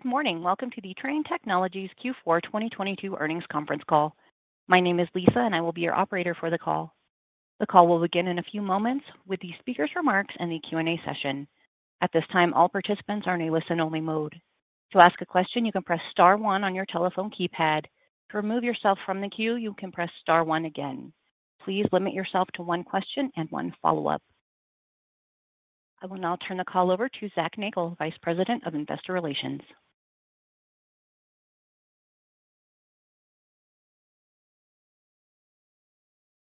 Good morning. Welcome to the Trane Technologies Q4 2022 earnings conference call. My name is Lisa. I will be your operator for the call. The call will begin in a few moments with the speaker's remarks and the Q&A session. At this time, all participants are in a listen-only mode. To ask a question, you can press star one on your telephone keypad. To remove yourself from the queue, you can press star one again. Please limit yourself to one question and one follow-up. I will now turn the call over to Zac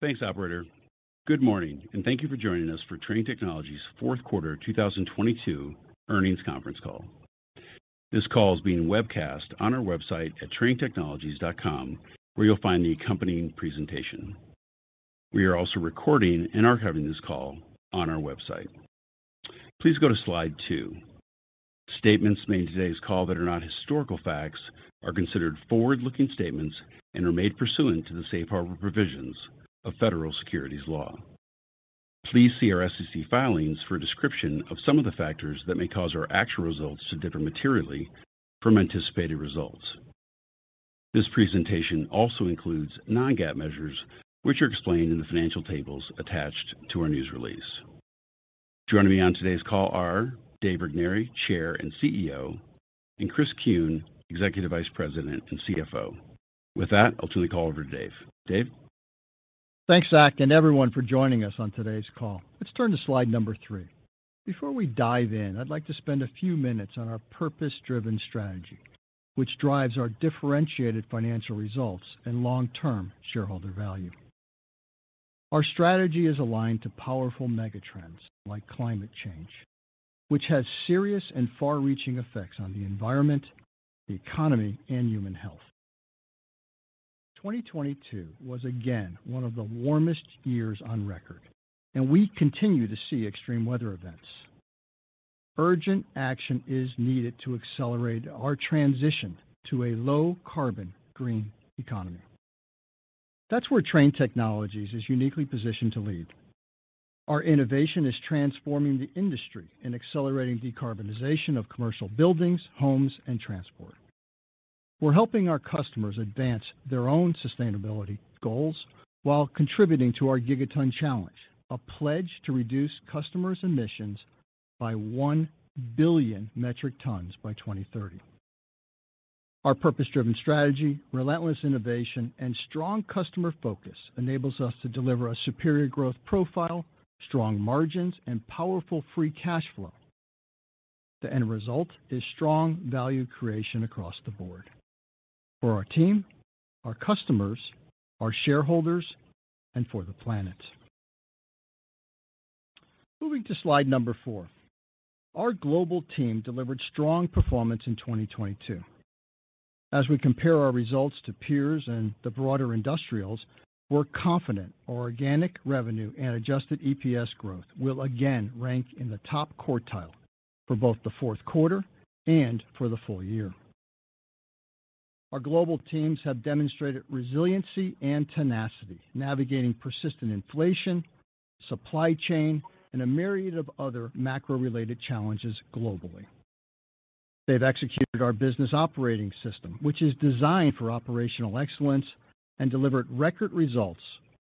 Nagle, Vice President of Investor Relations. Thanks, operator. Good morning. Thank you for joining us for Trane Technologies fourth quarter 2022 earnings conference call. This call is being webcast on our website at tranetechnologies.com, where you'll find the accompanying presentation. We are also recording and archiving this call on our website. Please go to Slide 2. Statements made in today's call that are not historical facts are considered forward-looking statements and are made pursuant to the safe harbor provisions of federal securities law. Please see our SEC filings for a description of some of the factors that may cause our actual results to differ materially from anticipated results. This presentation also includes non-GAAP measures, which are explained in the financial tables attached to our news release. Joining me on today's call are Dave Regnery, Chair and CEO, and Chris Kuehn, Executive Vice President and CFO. With that, I'll turn the call over to Dave. Dave? Thanks, Zac, and everyone for joining us on today's call. Let's turn to slide number three. Before we dive in, I'd like to spend a few minutes on our purpose-driven strategy, which drives our differentiated financial results and long-term shareholder value. Our strategy is aligned to powerful megatrends like climate change, which has serious and far-reaching effects on the environment, the economy, and human health. 2022 was again one of the warmest years on record. We continue to see extreme weather events. Urgent action is needed to accelerate our transition to a low carbon green economy. That's where Trane Technologies is uniquely positioned to lead. Our innovation is transforming the industry and accelerating decarbonization of commercial buildings, homes, and transport. We're helping our customers advance their own sustainability goals while contributing to our Gigaton Challenge, a pledge to reduce customers' emissions by 1 billion metric tons by 2030. Our purpose-driven strategy, relentless innovation, and strong customer focus enables us to deliver a superior growth profile, strong margins, and powerful free cash flow. The end result is strong value creation across the board for our team, our customers, our shareholders, and for the planet. Moving to Slide 4. Our global team delivered strong performance in 2022. As we compare our results to peers and the broader industrials, we're confident our organic revenue and adjusted EPS growth will again rank in the top quartile for both the fourth quarter and for the full year. Our global teams have demonstrated resiliency and tenacity, navigating persistent inflation, supply chain, and a myriad of other macro-related challenges globally. They've executed our business operating system, which is designed for operational excellence and delivered record results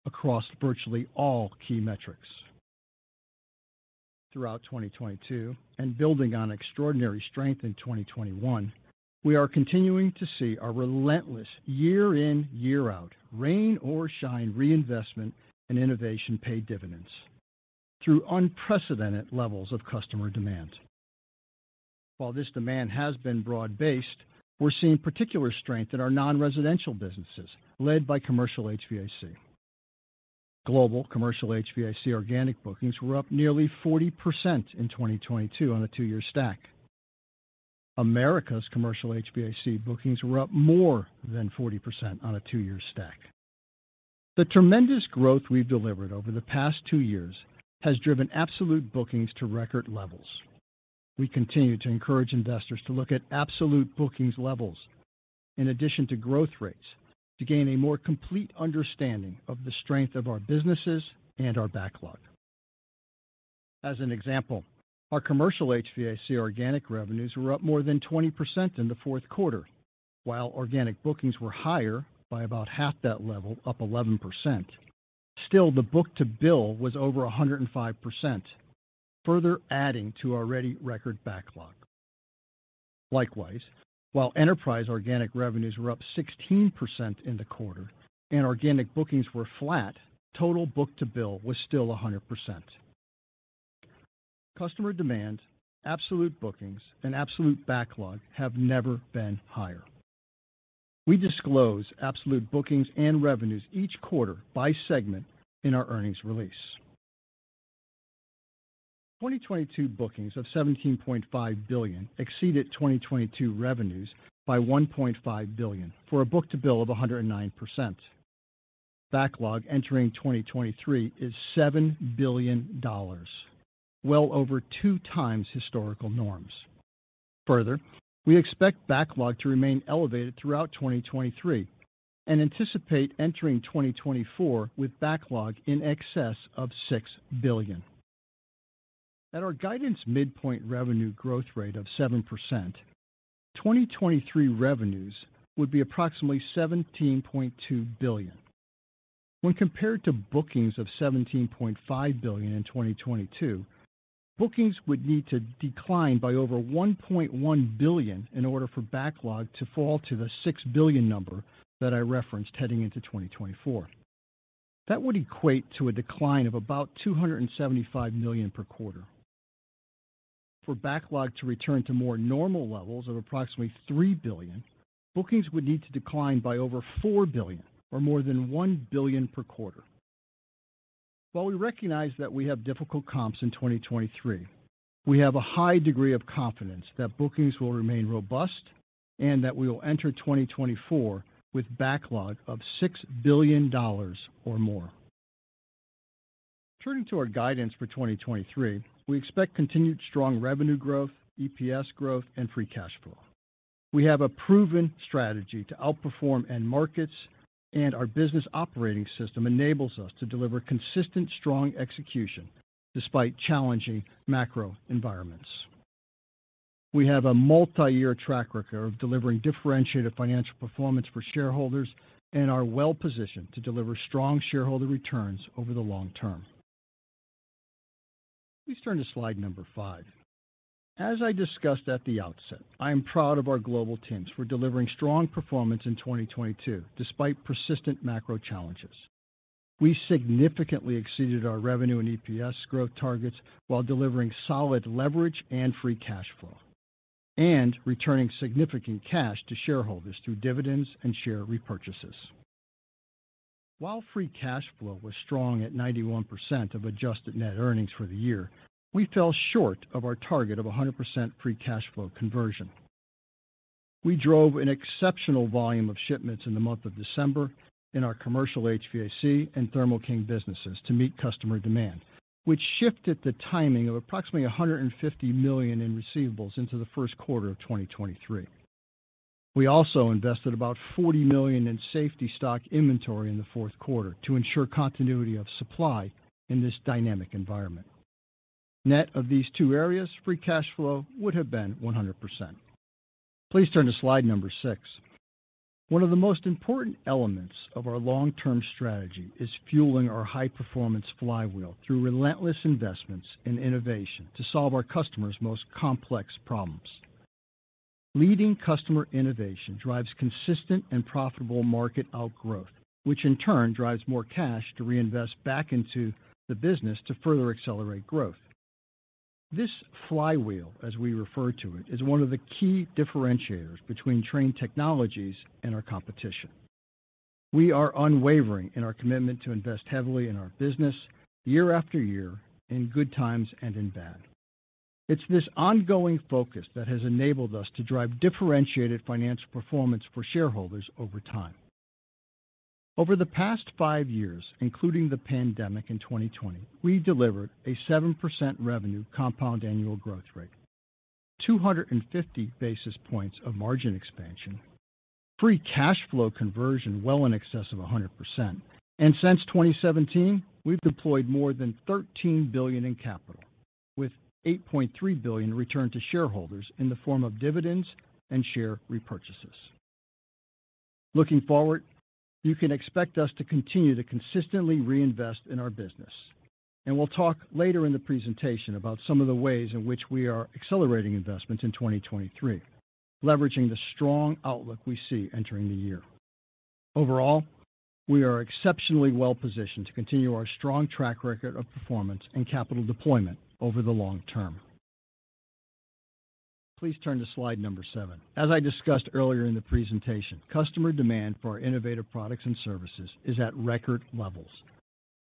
across virtually all key metrics. Throughout 2022 and building on extraordinary strength in 2021, we are continuing to see our relentless year in, year out, rain or shine reinvestment and innovation pay dividends through unprecedented levels of customer demand. While this demand has been broad-based, we're seeing particular strength in our non-residential businesses led by commercial HVAC. Global commercial HVAC organic bookings were up nearly 40% in 2022 on a two-year stack. America's commercial HVAC bookings were up more than 40% on a two-year stack. The tremendous growth we've delivered over the past two years has driven absolute bookings to record levels. We continue to encourage investors to look at absolute bookings levels in addition to growth rates to gain a more complete understanding of the strength of our businesses and our backlog. As an example, our commercial HVAC organic revenues were up more than 20% in the fourth quarter, while organic bookings were higher by about half that level, up 11%. Still, the book-to-bill was over 105%, further adding to our already record backlog. Likewise, while enterprise organic revenues were up 16% in the quarter and organic bookings were flat, total book-to-bill was still 100%. Customer demand, absolute bookings, and absolute backlog have never been higher. We disclose absolute bookings and revenues each quarter by segment in our earnings release. 2022 bookings of $17.5 billion exceeded 2022 revenues by $1.5 billion for a book-to-bill of 109%. Backlog entering 2023 is $7 billion, well over 2x historical norms. We expect backlog to remain elevated throughout 2023 and anticipate entering 2024 with backlog in excess of $6 billion. At our guidance midpoint revenue growth rate of 7%, 2023 revenues would be approximately $17.2 billion. When compared to bookings of $17.5 billion in 2022, bookings would need to decline by over $1.1 billion in order for backlog to fall to the $6 billion number that I referenced heading into 2024. That would equate to a decline of about $275 million per quarter. For backlog to return to more normal levels of approximately $3 billion, bookings would need to decline by over $4 billion or more than $1 billion per quarter. While we recognize that we have difficult comps in 2023, we have a high degree of confidence that bookings will remain robust and that we will enter 2024 with backlog of $6 billion or more. Turning to our guidance for 2023, we expect continued strong revenue growth, EPS growth, and free cash flow. We have a proven strategy to outperform end markets, and our business operating system enables us to deliver consistent strong execution despite challenging macro environments. We have a multi-year track record of delivering differentiated financial performance for shareholders and are well positioned to deliver strong shareholder returns over the long term. Please turn to slide number 5. As I discussed at the outset, I am proud of our global teams for delivering strong performance in 2022 despite persistent macro challenges. We significantly exceeded our revenue and EPS growth targets while delivering solid leverage and free cash flow and returning significant cash to shareholders through dividends and share repurchases. While free cash flow was strong at 91% of adjusted net earnings for the year, we fell short of our target of 100% free cash flow conversion. We drove an exceptional volume of shipments in the month of December in our commercial HVAC and Thermo King businesses to meet customer demand, which shifted the timing of approximately $150 million in receivables into the first quarter of 2023. We also invested about $40 million in safety stock inventory in the fourth quarter to ensure continuity of supply in this dynamic environment. Net of these two areas, free cash flow would have been 100%. Please turn to slide number six. One of the most important elements of our long-term strategy is fueling our high-performance flywheel through relentless investments in innovation to solve our customers' most complex problems. Leading customer innovation drives consistent and profitable market outgrowth, which in turn drives more cash to reinvest back into the business to further accelerate growth. This flywheel, as we refer to it, is one of the key differentiators between Trane Technologies and our competition. We are unwavering in our commitment to invest heavily in our business year after year, in good times and in bad. It's this ongoing focus that has enabled us to drive differentiated financial performance for shareholders over time. Over the past five years, including the pandemic in 2020, we've delivered a 7% revenue compound annual growth rate, 250 basis points of margin expansion, free cash flow conversion well in excess of 100%, and since 2017, we've deployed more than $13 billion in capital with $8.3 billion returned to shareholders in the form of dividends and share repurchases. Looking forward, you can expect us to continue to consistently reinvest in our business. We'll talk later in the presentation about some of the ways in which we are accelerating investments in 2023, leveraging the strong outlook we see entering the year. Overall, we are exceptionally well-positioned to continue our strong track record of performance and capital deployment over the long term. Please turn to slide number seven. As I discussed earlier in the presentation, customer demand for our innovative products and services is at record levels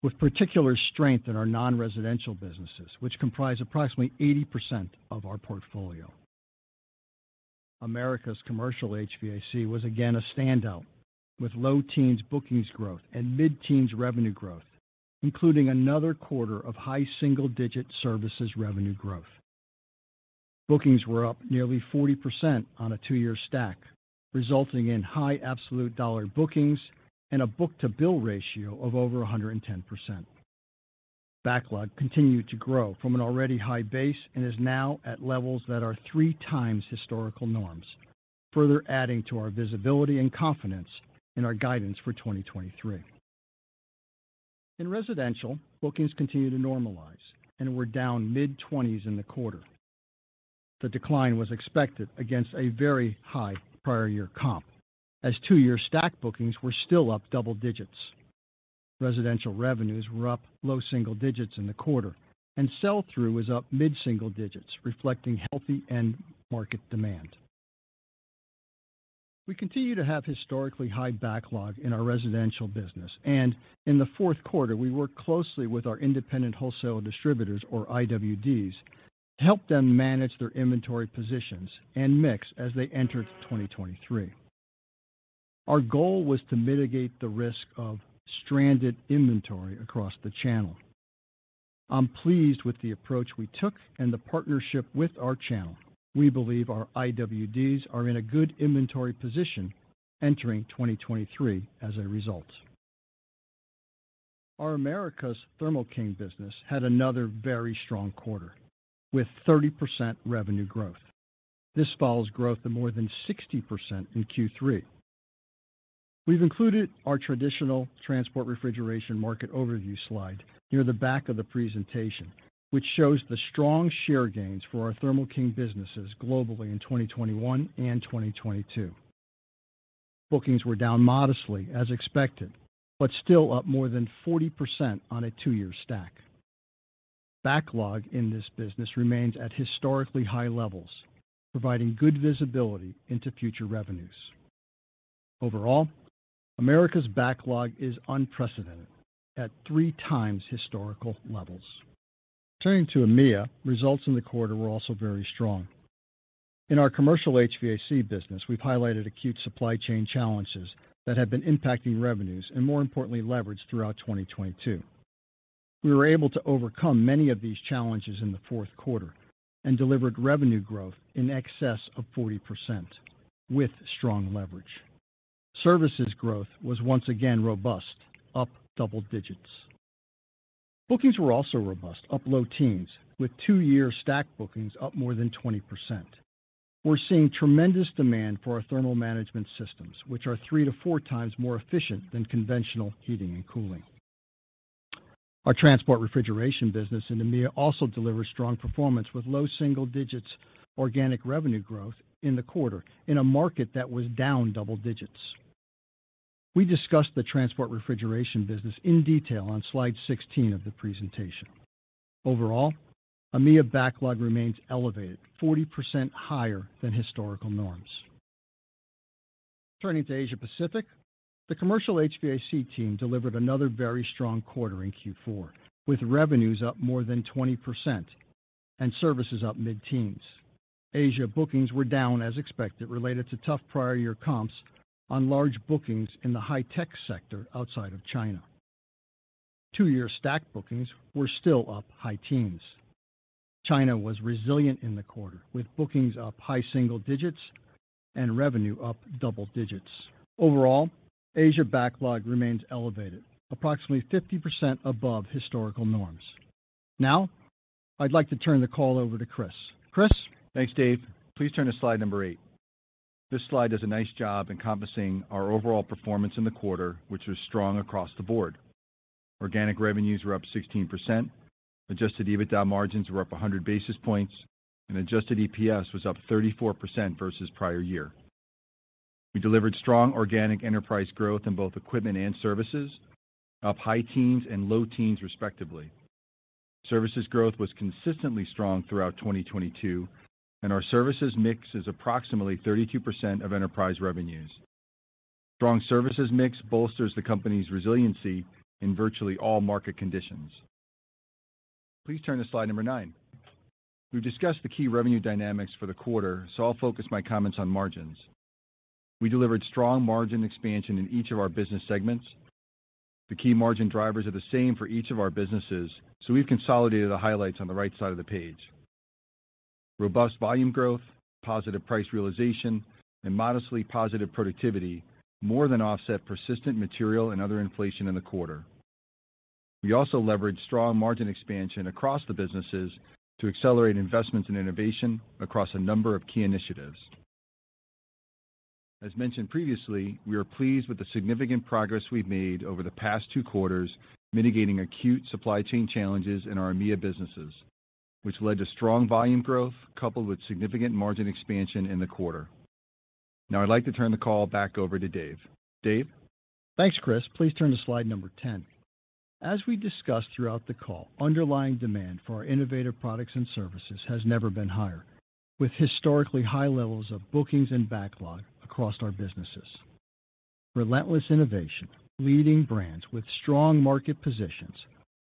with particular strength in our non-residential businesses, which comprise approximately 80% of our portfolio. America's commercial HVAC was again a standout with low teens bookings growth and mid-teens revenue growth, including another quarter of high single-digit services revenue growth. Bookings were up nearly 40% on a two-year stack, resulting in high absolute dollar bookings and a book-to-bill ratio of over 110%. Backlog continued to grow from an already high base and is now at levels that are three times historical norms, further adding to our visibility and confidence in our guidance for 2023. In residential, bookings continued to normalize and were down mid-twenties in the quarter. The decline was expected against a very high prior year comp as two-year stack bookings were still up double digits. Residential revenues were up low single digits in the quarter, and sell-through was up mid-single digits, reflecting healthy end market demand. We continue to have historically high backlog in our residential business, and in the fourth quarter, we worked closely with our independent wholesale distributors or IWDs to help them manage their inventory positions and mix as they entered 2023. Our goal was to mitigate the risk of stranded inventory across the channel. I'm pleased with the approach we took and the partnership with our channel. We believe our IWDs are in a good inventory position entering 2023 as a result. Our Americas Thermo King business had another very strong quarter with 30% revenue growth. This follows growth of more than 60% in Q3. We've included our traditional transport refrigeration market overview slide near the back of the presentation, which shows the strong share gains for our Thermo King businesses globally in 2021 and 2022. Bookings were down modestly as expected, but still up more than 40% on a two-year stack. Backlog in this business remains at historically high levels, providing good visibility into future revenues. Overall, Americas backlog is unprecedented at 3x historical levels. Turning to EMEA, results in the quarter were also very strong. In our commercial HVAC business, we've highlighted acute supply chain challenges that have been impacting revenues and more importantly, leverage throughout 2022. We were able to overcome many of these challenges in the fourth quarter and delivered revenue growth in excess of 40% with strong leverage. Services growth was once again robust, up double digits. Bookings were also robust, up low teens, with two-year stack bookings up more than 20%. We're seeing tremendous demand for our thermal management systems, which are three to four times more efficient than conventional heating and cooling. Our transport refrigeration business in EMEA also delivered strong performance with low single digits organic revenue growth in the quarter in a market that was down double digits. We discussed the transport refrigeration business in detail on Slide 16 of the presentation. Overall, EMEA backlog remains elevated, 40% higher than historical norms. Turning to Asia Pacific, the commercial HVAC team delivered another very strong quarter in Q4, with revenues up more than 20% and services up mid-teens. Asia bookings were down as expected, related to tough prior year comps on large bookings in the high-tech sector outside of China. Two-year stack bookings were still up high teens. China was resilient in the quarter, with bookings up high single digits and revenue up double digits. Overall, Asia backlog remains elevated, approximately 50% above historical norms. I'd like to turn the call over to Chris. Chris? Thanks, Dave. Please turn to slide number eight. This Slide does a nice job encompassing our overall performance in the quarter, which was strong across the board. Organic revenues were up 16%. Adjusted EBITDA margins were up 100 basis points, and adjusted EPS was up 34% versus prior year. We delivered strong organic enterprise growth in both equipment and services, up high teens and low teens, respectively. Services growth was consistently strong throughout 2022, and our services mix is approximately 32% of enterprise revenues. Strong services mix bolsters the company's resiliency in virtually all market conditions. Please turn to slide number nine. We've discussed the key revenue dynamics for the quarter, so I'll focus my comments on margins. We delivered strong margin expansion in each of our business segments. The key margin drivers are the same for each of our businesses. We've consolidated the highlights on the right side of the page. Robust volume growth, positive price realization, and modestly positive productivity more than offset persistent material and other inflation in the quarter. We also leveraged strong margin expansion across the businesses to accelerate investments in innovation across a number of key initiatives. As mentioned previously, we are pleased with the significant progress we've made over the past two quarters mitigating acute supply chain challenges in our EMEA businesses, which led to strong volume growth coupled with significant margin expansion in the quarter. Now I'd like to turn the call back over to Dave. Dave? Thanks, Chris. Please turn to slide number 10. As we discussed throughout the call, underlying demand for our innovative products and services has never been higher, with historically high levels of bookings and backlog across our businesses. Relentless innovation, leading brands with strong market positions,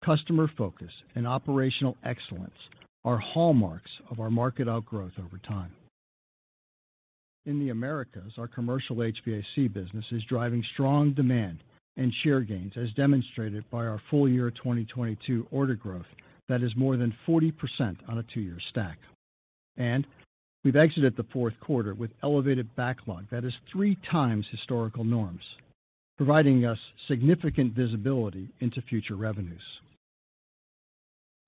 customer focus, and operational excellence are hallmarks of our market outgrowth over time. In the Americas, our commercial HVAC business is driving strong demand and share gains, as demonstrated by our full year 2022 order growth that is more than 40% on a two-year stack. We've exited the fourth quarter with elevated backlog that is 3x historical norms, providing us significant visibility into future revenues.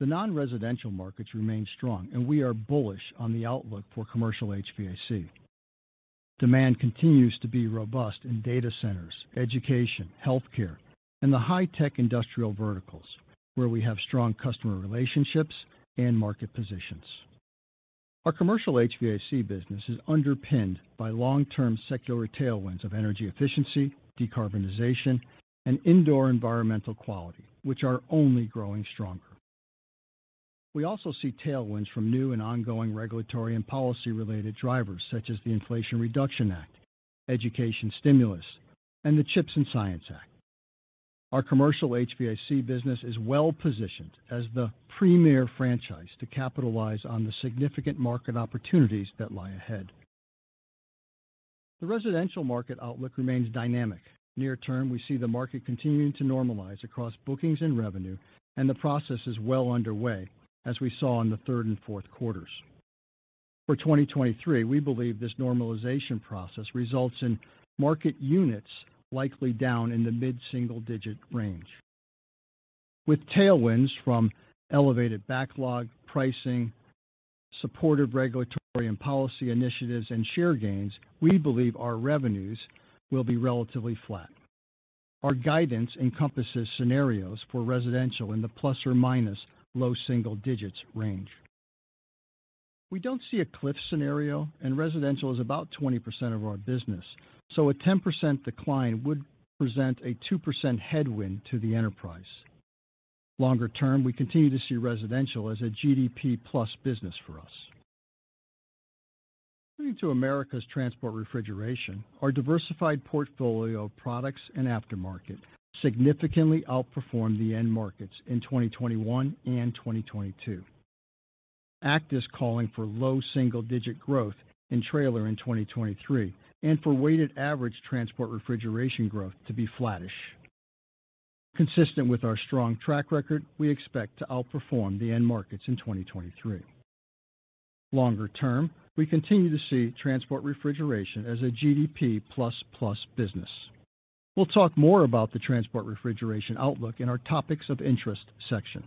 The non-residential markets remain strong. We are bullish on the outlook for commercial HVAC. Demand continues to be robust in data centers, education, healthcare, and the high-tech industrial verticals where we have strong customer relationships and market positions. Our commercial HVAC business is underpinned by long-term secular tailwinds of energy efficiency, decarbonization, and indoor environmental quality, which are only growing stronger. We also see tailwinds from new and ongoing regulatory and policy-related drivers such as the Inflation Reduction Act, Education Stimulus, and the CHIPS and Science Act. Our commercial HVAC business is well positioned as the premier franchise to capitalize on the significant market opportunities that lie ahead. The residential market outlook remains dynamic. Near term, we see the market continuing to normalize across bookings and revenue, and the process is well underway as we saw in the third and fourth quarters. For 2023, we believe this normalization process results in market units likely down in the mid-single digit range. With tailwinds from elevated backlog pricing, supportive regulatory and policy initiatives, and share gains, we believe our revenues will be relatively flat. Our guidance encompasses scenarios for residential in the ± low single digits range. We don't see a cliff scenario, and residential is about 20% of our business, so a 10% decline would present a 2% headwind to the enterprise. Longer term, we continue to see residential as a GDP plus business for us. Turning to Americas transport refrigeration. Our diversified portfolio of products and aftermarket significantly outperformed the end markets in 2021 and 2022. ACT is calling for low single-digit growth in trailer in 2023, and for weighted average transport refrigeration growth to be flattish. Consistent with our strong track record, we expect to outperform the end markets in 2023. Longer term, we continue to see transport refrigeration as a GDP plus plus business. We'll talk more about the transport refrigeration outlook in our topics of interest section.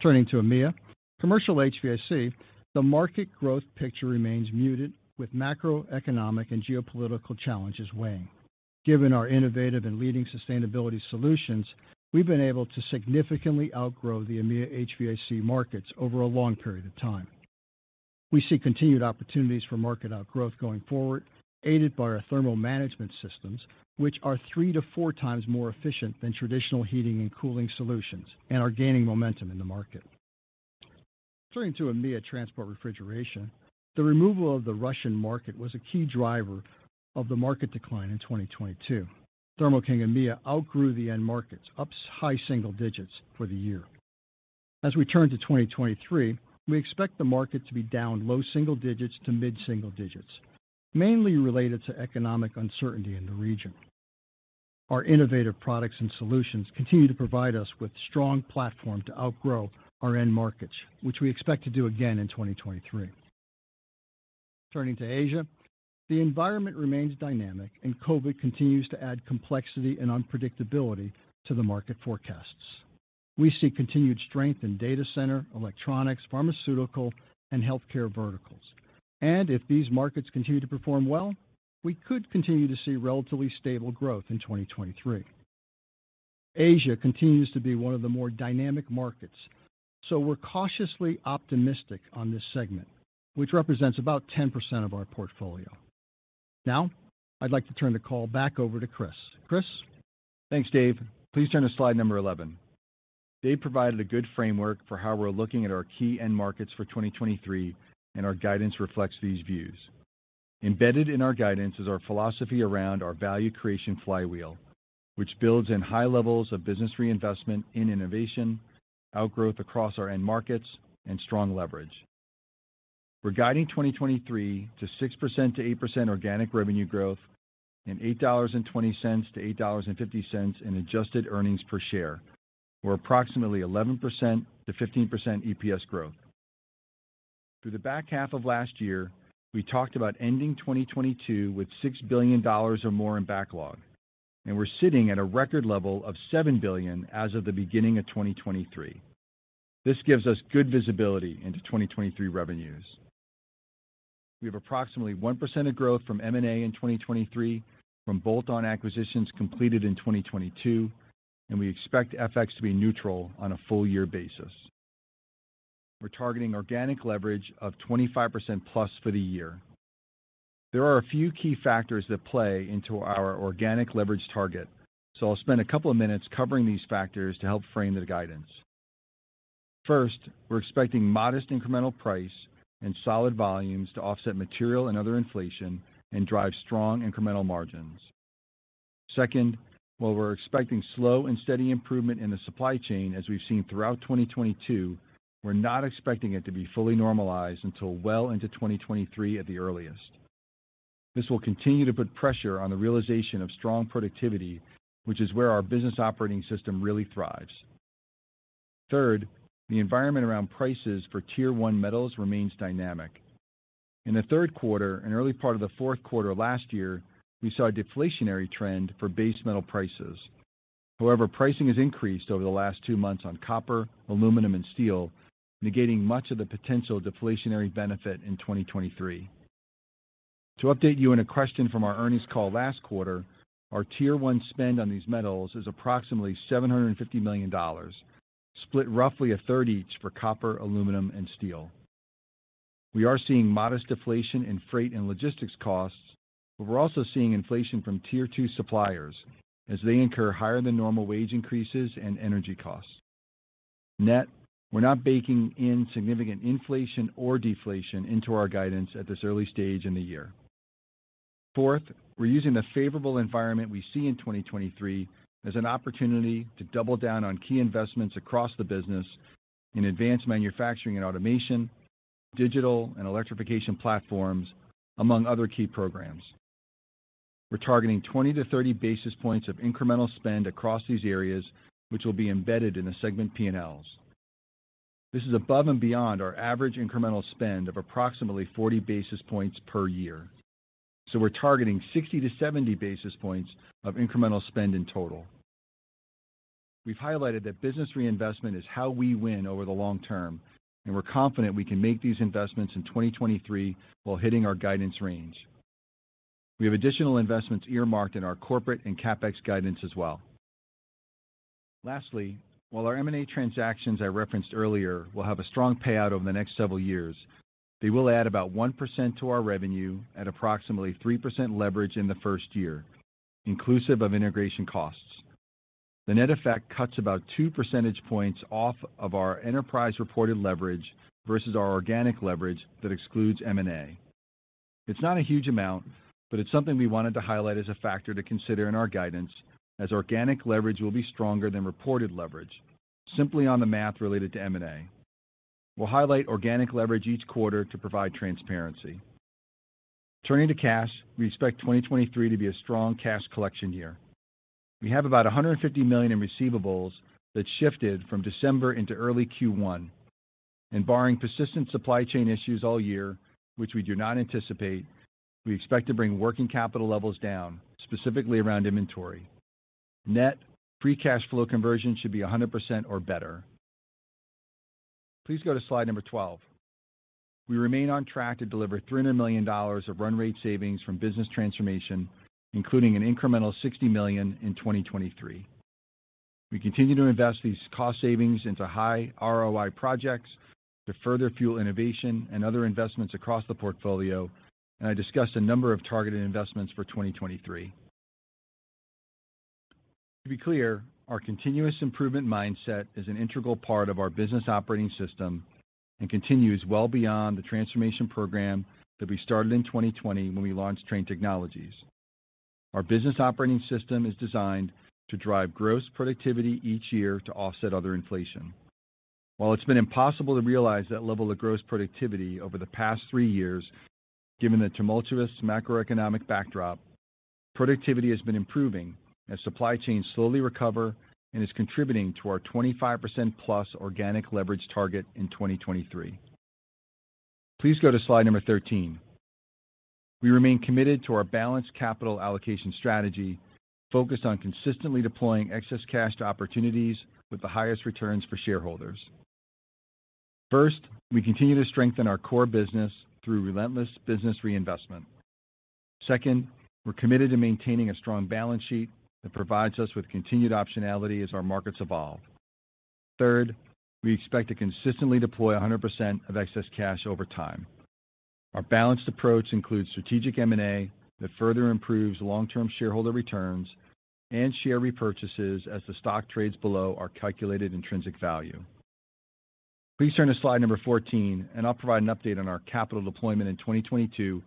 Turning to EMEA. Commercial HVAC, the market growth picture remains muted with macroeconomic and geopolitical challenges weighing. Given our innovative and leading sustainability solutions, we've been able to significantly outgrow the EMEA HVAC markets over a long period of time. We see continued opportunities for market outgrowth going forward, aided by our thermal management systems, which are three to four times more efficient than traditional heating and cooling solutions and are gaining momentum in the market. Turning to EMEA transport refrigeration. The removal of the Russian market was a key driver of the market decline in 2022. Thermo King EMEA outgrew the end markets up high single digits for the year. As we turn to 2023, we expect the market to be down low single digits to mid single digits, mainly related to economic uncertainty in the region. Our innovative products and solutions continue to provide us with strong platform to outgrow our end markets, which we expect to do again in 2023. Turning to Asia, the environment remains dynamic. COVID continues to add complexity and unpredictability to the market forecasts. We see continued strength in data center, electronics, pharmaceutical, and healthcare verticals. If these markets continue to perform well, we could continue to see relatively stable growth in 2023. Asia continues to be one of the more dynamic markets. We're cautiously optimistic on this segment, which represents about 10% of our portfolio. Now, I'd like to turn the call back over to Chris. Chris? Thanks, Dave. Please turn to slide number 11. Dave provided a good framework for how we're looking at our key end markets for 2023. Our guidance reflects these views. Embedded in our guidance is our philosophy around our value creation flywheel, which builds in high levels of business reinvestment in innovation, outgrowth across our end markets, and strong leverage. We're guiding 2023 to 6%-8% organic revenue growth and $8.20-$8.50 in adjusted earnings per share, or approximately 11%-15% EPS growth. Through the back half of last year, we talked about ending 2022 with $6 billion or more in backlog. We're sitting at a record level of $7 billion as of the beginning of 2023. This gives us good visibility into 2023 revenues. We have approximately 1% of growth from M&A in 2023 from bolt-on acquisitions completed in 2022. We expect FX to be neutral on a full year basis. We're targeting organic leverage of 25%+ for the year. There are a few key factors that play into our organic leverage target, I'll spend a couple of minutes covering these factors to help frame the guidance. First, we're expecting modest incremental price and solid volumes to offset material and other inflation and drive strong incremental margins. Second, while we're expecting slow and steady improvement in the supply chain as we've seen throughout 2022, we're not expecting it to be fully normalized until well into 2023 at the earliest. This will continue to put pressure on the realization of strong productivity, which is where our business operating system really thrives. Third, the environment around prices for Tier 1 metals remains dynamic. In the third quarter and early part of the fourth quarter of last year, we saw a deflationary trend for base metal prices. Pricing has increased over the last two months on copper, aluminum, and steel, negating much of the potential deflationary benefit in 2023. To update you on a question from our earnings call last quarter, our Tier 1 spend on these metals is approximately $750 million, split roughly a third each for copper, aluminum, and steel. We are seeing modest deflation in freight and logistics costs, we're also seeing inflation from Tier 2 suppliers as they incur higher than normal wage increases and energy costs. Net, we're not baking in significant inflation or deflation into our guidance at this early stage in the year. Fourth, we're using the favorable environment we see in 2023 as an opportunity to double down on key investments across the business in advanced manufacturing and automation, digital and electrification platforms, among other key programs. We're targeting 20-30 basis points of incremental spend across these areas, which will be embedded in the segment P&Ls. This is above and beyond our average incremental spend of approximately 40 basis points per year. We're targeting 60-70 basis points of incremental spend in total. We've highlighted that business reinvestment is how we win over the long term, and we're confident we can make these investments in 2023 while hitting our guidance range. We have additional investments earmarked in our corporate and CapEx guidance as well. While our M&A transactions I referenced earlier will have a strong payout over the next several years, they will add about 1% to our revenue at approximately 3% leverage in the first year, inclusive of integration costs. The net effect cuts about two percentage points off of our enterprise-reported leverage versus our organic leverage that excludes M&A. It's not a huge amount, but it's something we wanted to highlight as a factor to consider in our guidance as organic leverage will be stronger than reported leverage simply on the math related to M&A. We'll highlight organic leverage each quarter to provide transparency. Turning to cash, we expect 2023 to be a strong cash collection year. We have about $150 million in receivables that shifted from December into early Q1. Barring persistent supply chain issues all year, which we do not anticipate, we expect to bring working capital levels down, specifically around inventory. Net free cash flow conversion should be 100% or better. Please go to slide number 12. We remain on track to deliver $300 million of run rate savings from business transformation, including an incremental $60 million in 2023. We continue to invest these cost savings into high ROI projects to further fuel innovation and other investments across the portfolio, and I discussed a number of targeted investments for 2023. To be clear, our continuous improvement mindset is an integral part of our business operating system and continues well beyond the transformation program that we started in 2020 when we launched Trane Technologies. Our business operating system is designed to drive gross productivity each year to offset other inflation. While it's been impossible to realize that level of gross productivity over the past three years, given the tumultuous macroeconomic backdrop, productivity has been improving as supply chains slowly recover and is contributing to our 25%+ organic leverage target in 2023. Please go to slide number 13. We remain committed to our balanced capital allocation strategy focused on consistently deploying excess cash to opportunities with the highest returns for shareholders. First, we continue to strengthen our core business through relentless business reinvestment. Second, we're committed to maintaining a strong balance sheet that provides us with continued optionality as our markets evolve. Third, we expect to consistently deploy 100% of excess cash over time. Our balanced approach includes strategic M&A that further improves long-term shareholder returns and share repurchases as the stock trades below our calculated intrinsic value. Please turn to slide number 14. I'll provide an update on our capital deployment in 2022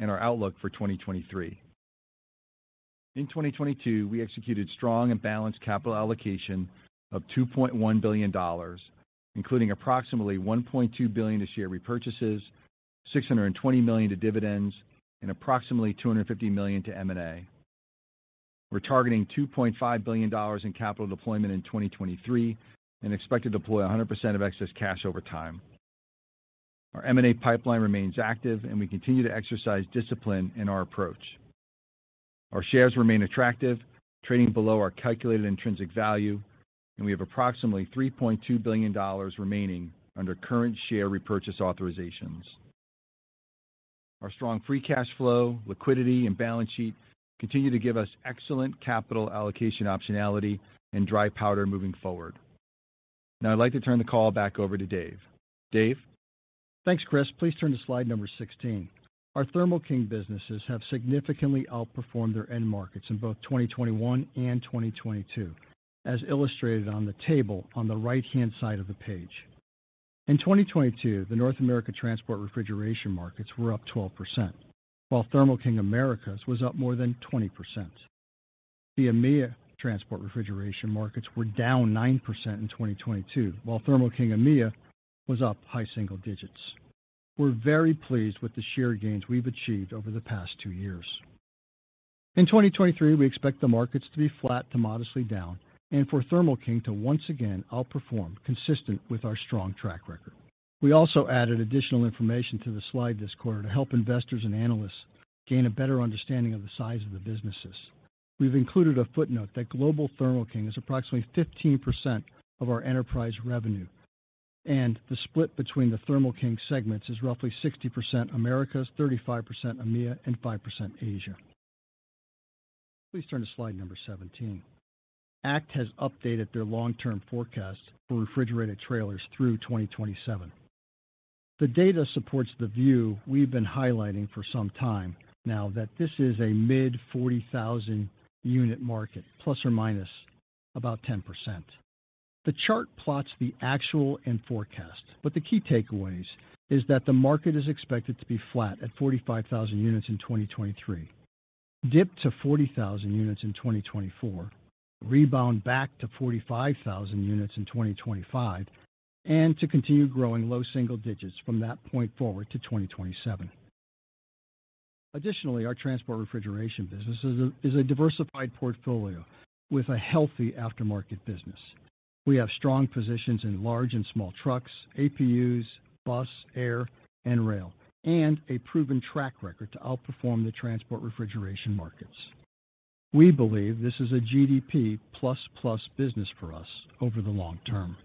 and our outlook for 2023. In 2022, we executed strong and balanced capital allocation of $2.1 billion, including approximately $1.2 billion to share repurchases, $620 million to dividends, and approximately $250 million to M&A. We're targeting $2.5 billion in capital deployment in 2023 and expect to deploy 100% of excess cash over time. Our M&A pipeline remains active. We continue to exercise discipline in our approach. Our shares remain attractive, trading below our calculated intrinsic value. We have approximately $3.2 billion remaining under current share repurchase authorizations. Our strong free cash flow, liquidity, and balance sheet continue to give us excellent capital allocation optionality and dry powder moving forward. Now I'd like to turn the call back over to Dave. Dave? Thanks, Chris. Please turn to slide number 16. Our Thermo King businesses have significantly outperformed their end markets in both 2021 and 2022, as illustrated on the table on the right-hand side of the page. In 2022, the North America transport refrigeration markets were up 12%, while Thermo King Americas was up more than 20%. The EMEA transport refrigeration markets were down 9% in 2022, while Thermo King EMEA was up high single digits. We're very pleased with the share gains we've achieved over the past two years. In 2023, we expect the markets to be flat to modestly down and for Thermo King to once again outperform consistent with our strong track record. We also added additional information to the slide this quarter to help investors and analysts gain a better understanding of the size of the businesses. We've included a footnote that global Thermo King is approximately 15% of our enterprise revenue, and the split between the Thermo King segments is roughly 60% Americas, 35% EMEA, and 5% Asia. Please turn to slide number 17. ACT has updated their long-term forecast for refrigerated trailers through 2027. The data supports the view we've been highlighting for some time now that this is a mid 40,000 unit market, ±10%. The chart plots the actual and forecast, the key takeaways is that the market is expected to be flat at 45,000 units in 2023, dip to 40,000 units in 2024. Rebound back to 45,000 units in 2025, and to continue growing low single digits from that point forward to 2027. Additionally, our transport refrigeration business is a diversified portfolio with a healthy aftermarket business. We have strong positions in large and small trucks, APUs, bus, air and rail, and a proven track record to outperform the transport refrigeration markets. We believe this is a GDP plus plus business for us over the long term.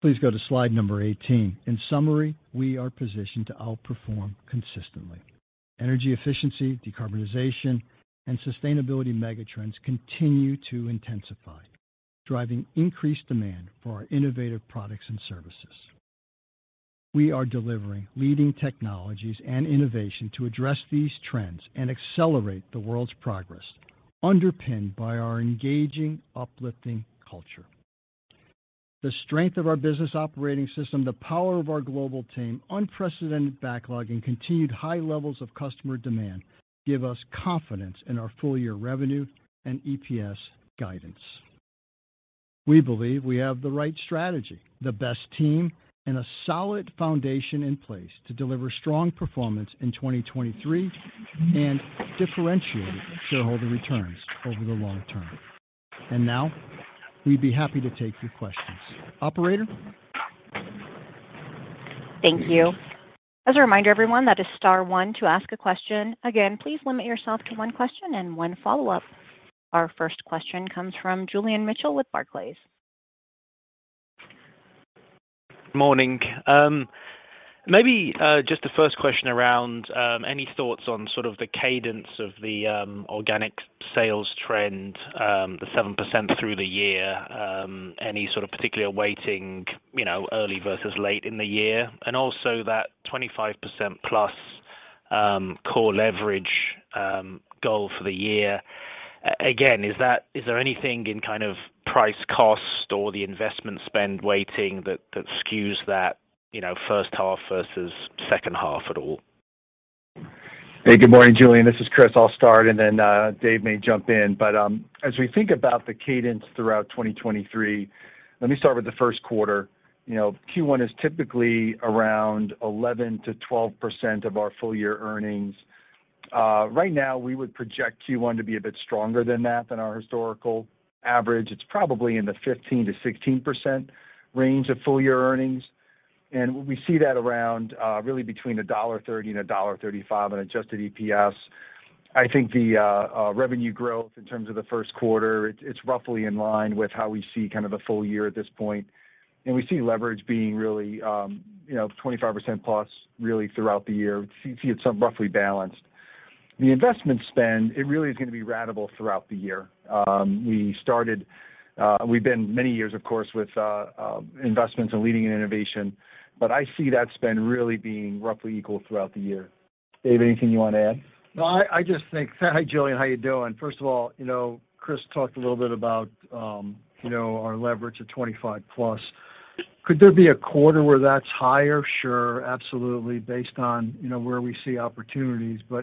Please go to slide number 18. In summary, we are positioned to outperform consistently. Energy efficiency, decarbonization, and sustainability megatrends continue to intensify, driving increased demand for our innovative products and services. We are delivering leading technologies and innovation to address these trends and accelerate the world's progress, underpinned by our engaging, uplifting culture. The strength of our business operating system, the power of our global team, unprecedented backlog, and continued high levels of customer demand give us confidence in our full-year revenue and EPS guidance. We believe we have the right strategy, the best team, and a solid foundation in place to deliver strong performance in 2023 and differentiated shareholder returns over the long term. Now we'd be happy to take your questions. Operator? Thank you. As a reminder, everyone, that is star one to ask a question. Please limit yourself to one question and one follow-up. Our first question comes from Julian Mitchell with Barclays. Morning. Maybe, just the first question around any thoughts on sort of the cadence of the organic sales trend, the 7% through the year, any sort of particular weighting, you know, early versus late in the year? That 25%+ core leverage goal for the year, again, is there anything in kind of price cost or the investment spend weighting that skews that, you know, first half versus second half at all? Hey, good morning, Julian. This is Chris. I'll start. Dave may jump in. As we think about the cadence throughout 2023, let me start with the first quarter. You know, Q1 is typically around 11%-12% of our full year earnings. Right now we would project Q1 to be a bit stronger than that, than our historical average. It's probably in the 15%-16% range of full year earnings. We see that around really between $1.30 and $1.35 in adjusted EPS. I think the revenue growth in terms of the first quarter, it's roughly in line with how we see kind of the full year at this point. We see leverage being really, you know, 25%+ really throughout the year. See, it's roughly balanced. The investment spend, it really is gonna be ratable throughout the year. We started, we've been many years, of course, with investments in leading and innovation, I see that spend really being roughly equal throughout the year. Dave, anything you wanna add? No, I just think... Hi, Julian. How you doing? First of all, you know, Chris talked a little bit about, you know, our leverage of 25+. Could there be a quarter where that's higher? Sure, absolutely, based on, you know, where we see opportunities. You know,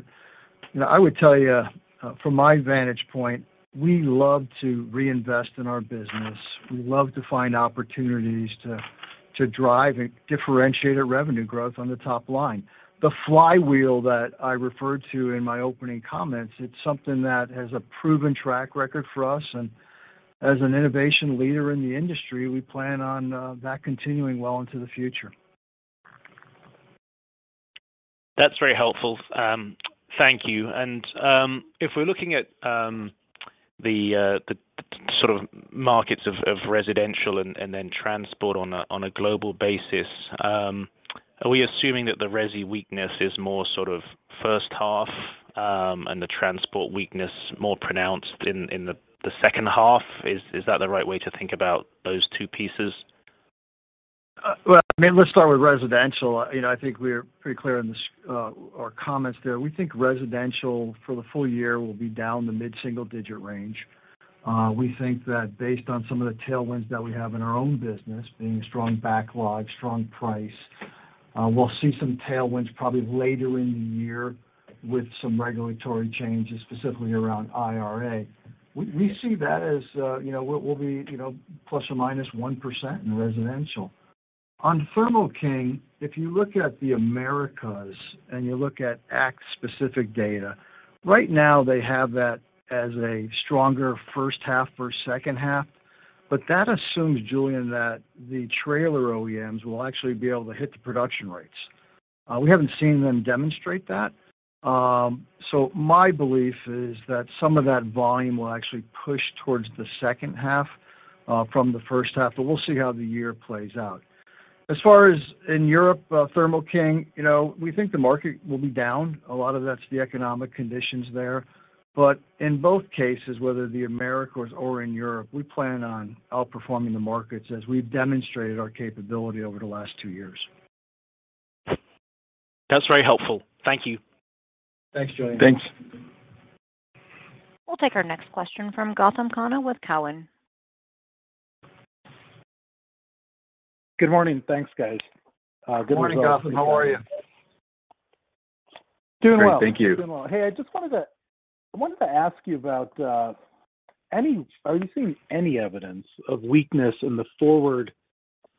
I would tell you from my vantage point, we love to reinvest in our business. We love to find opportunities to drive and differentiate our revenue growth on the top line. The flywheel that I referred to in my opening comments, it's something that has a proven track record for us. As an innovation leader in the industry, we plan on that continuing well into the future. That's very helpful. Thank you. If we're looking at the sort of markets of residential and then transport on a global basis, are we assuming that the resi weakness is more sort of first half, and the transport weakness more pronounced in the second half? Is that the right way to think about those two pieces? Well, I mean, let's start with residential. You know, I think we're pretty clear in this, our comments there. We think residential for the full year will be down the mid-single-digit range. We think that based on some of the tailwinds that we have in our own business, being strong backlog, strong price, we'll see some tailwinds probably later in the year with some regulatory changes, specifically around IRA. We see that as, you know, we'll be, you know, ±1% in residential. On Thermo King, if you look at the Americas and you look at ACT specific data, right now they have that as a stronger first half versus second half, but that assumes, Julian, that the trailer OEMs will actually be able to hit the production rates. We haven't seen them demonstrate that. My belief is that some of that volume will actually push towards the second half from the first half, but we'll see how the year plays out. As far as in Europe, Thermo King, you know, we think the market will be down. A lot of that's the economic conditions there. In both cases, whether the Americas or in Europe, we plan on outperforming the markets as we've demonstrated our capability over the last two years. That's very helpful. Thank you. Thanks, Julian. Thanks. We'll take our next question from Gautam Khanna with Cowen. Good morning. Thanks, guys. Good morning. Good morning, Gautam. How are you? Doing well. Great. Thank you. Doing well. Hey, I just wanted to ask you about, are you seeing any evidence of weakness in the forward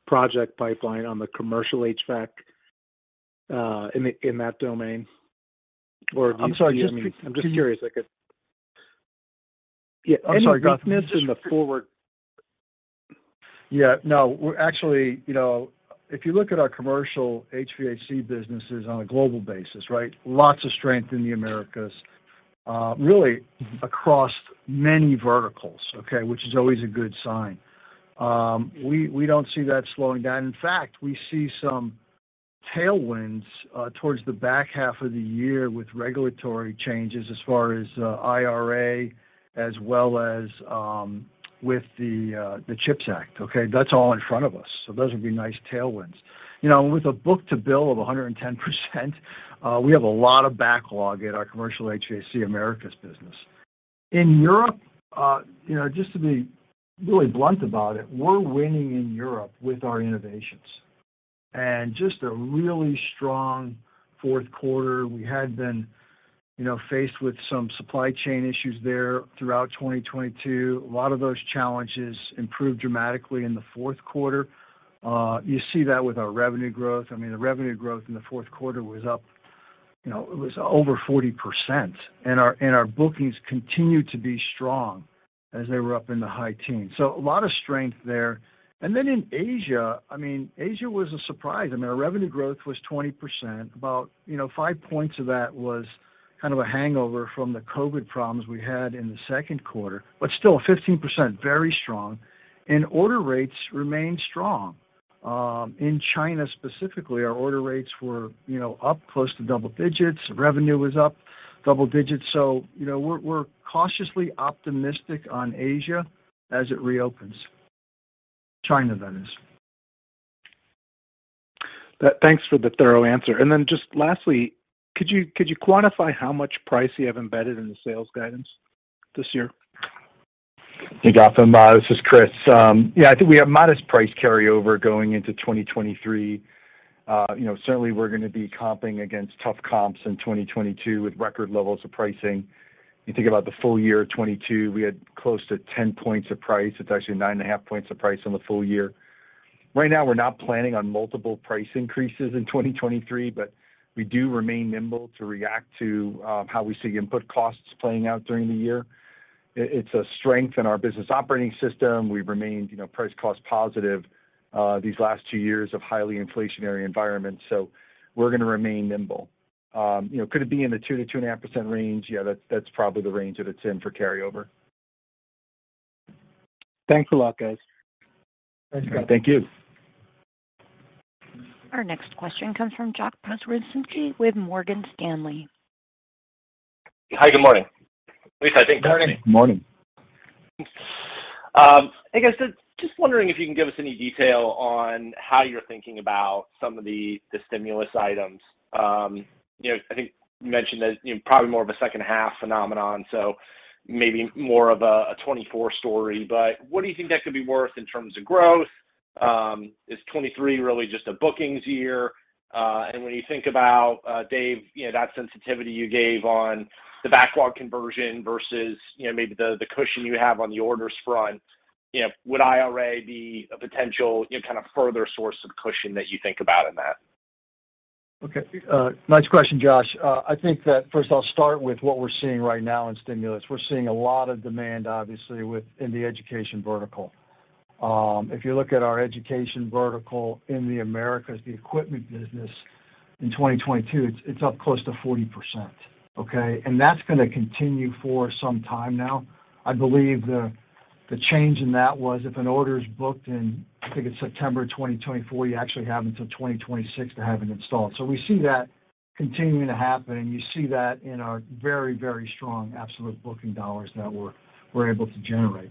project pipeline on the commercial HVAC, in that domain? Or are you seeing? I'm sorry. I'm just curious, I guess. Yeah. I'm sorry, Gautam. Just. Any weakness in the forward... Yeah, no. We're actually, you know, if you look at our commercial HVAC businesses on a global basis, right? Lots of strength in the Americas, really across many verticals, okay? Which is always a good sign. We don't see that slowing down. In fact, we see some tailwinds towards the back half of the year with regulatory changes as far as IRA as well as with the CHIPS Act, okay? That's all in front of us. Those would be nice tailwinds. You know, with a book-to-bill of 110%, we have a lot of backlog at our commercial HVAC Americas business. In Europe, you know, just to be really blunt about it, we're winning in Europe with our innovations. Just a really strong fourth quarter. We had been, you know, faced with some supply chain issues there throughout 2022. A lot of those challenges improved dramatically in the fourth quarter. You see that with our revenue growth. I mean, the revenue growth in the fourth quarter was up, you know, it was over 40%. Our bookings continued to be strong as they were up in the high teens. A lot of strength there. In Asia, I mean, Asia was a surprise. I mean, our revenue growth was 20%. About, you know, five points of that was kind of a hangover from the COVID problems we had in the second quarter, but still 15%, very strong. Order rates remained strong. In China specifically, our order rates were, you know, up close to double digits. Revenue was up double digits. you know, we're cautiously optimistic on Asia as it reopens. China, that is. Thanks for the thorough answer. Just lastly, could you quantify how much price you have embedded in the sales guidance this year? Hey, Gautam, this is Chris. Yeah, I think we have modest price carryover going into 2023. You know, certainly we're gonna be comping against tough comps in 2022 with record levels of pricing. You think about the full year of 22, we had close to 10 points of price. It's actually 9.5 points of price on the full year. Right now, we're not planning on multiple price increases in 2023, but we do remain nimble to react to how we see input costs playing out during the year. It's a strength in our business operating system. We've remained, you know, price cost positive these last two years of highly inflationary environment, so we're gonna remain nimble. You know, could it be in the 2%-2.5% range? Yeah, that's probably the range that it's in for carryover. Thanks a lot, guys. Thank you. Our next question comes from Josh Pokrzywinski with Morgan Stanley. Hi. Good morning. At least, I think. Morning. Morning. Hey, guys. Just wondering if you can give us any detail on how you're thinking about some of the stimulus items. You know, I think you mentioned that, you know, probably more of a second half phenomenon, so maybe more of a 2024 story. What do you think that could be worth in terms of growth? Is 2023 really just a bookings year? When you think about, Dave, you know, that sensitivity you gave on the backlog conversion versus, you know, maybe the cushion you have on the orders front, you know, would IRA be a potential, kind of further source of cushion that you think about in that? Okay. Nice question, Josh. I think that first I'll start with what we're seeing right now in Stimulus. We're seeing a lot of demand, obviously, with in the education vertical. If you look at our education vertical in the Americas, the equipment business in 2022, it's up close to 40%, okay? That's gonna continue for some time now. I believe the change in that was if an order is booked in, I think it's September 2024, you actually have until 2026 to have it installed. We see that continuing to happen, and you see that in our very, very strong absolute booking dollars that we're able to generate.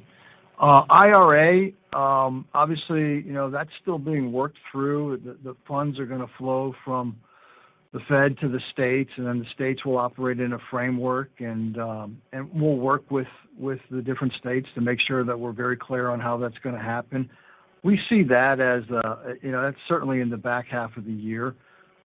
IRA, obviously, you know, that's still being worked through. The funds are gonna flow from the Fed to the states. The states will operate in a framework, and we'll work with the different states to make sure that we're very clear on how that's gonna happen. We see that as, you know, that's certainly in the back half of the year,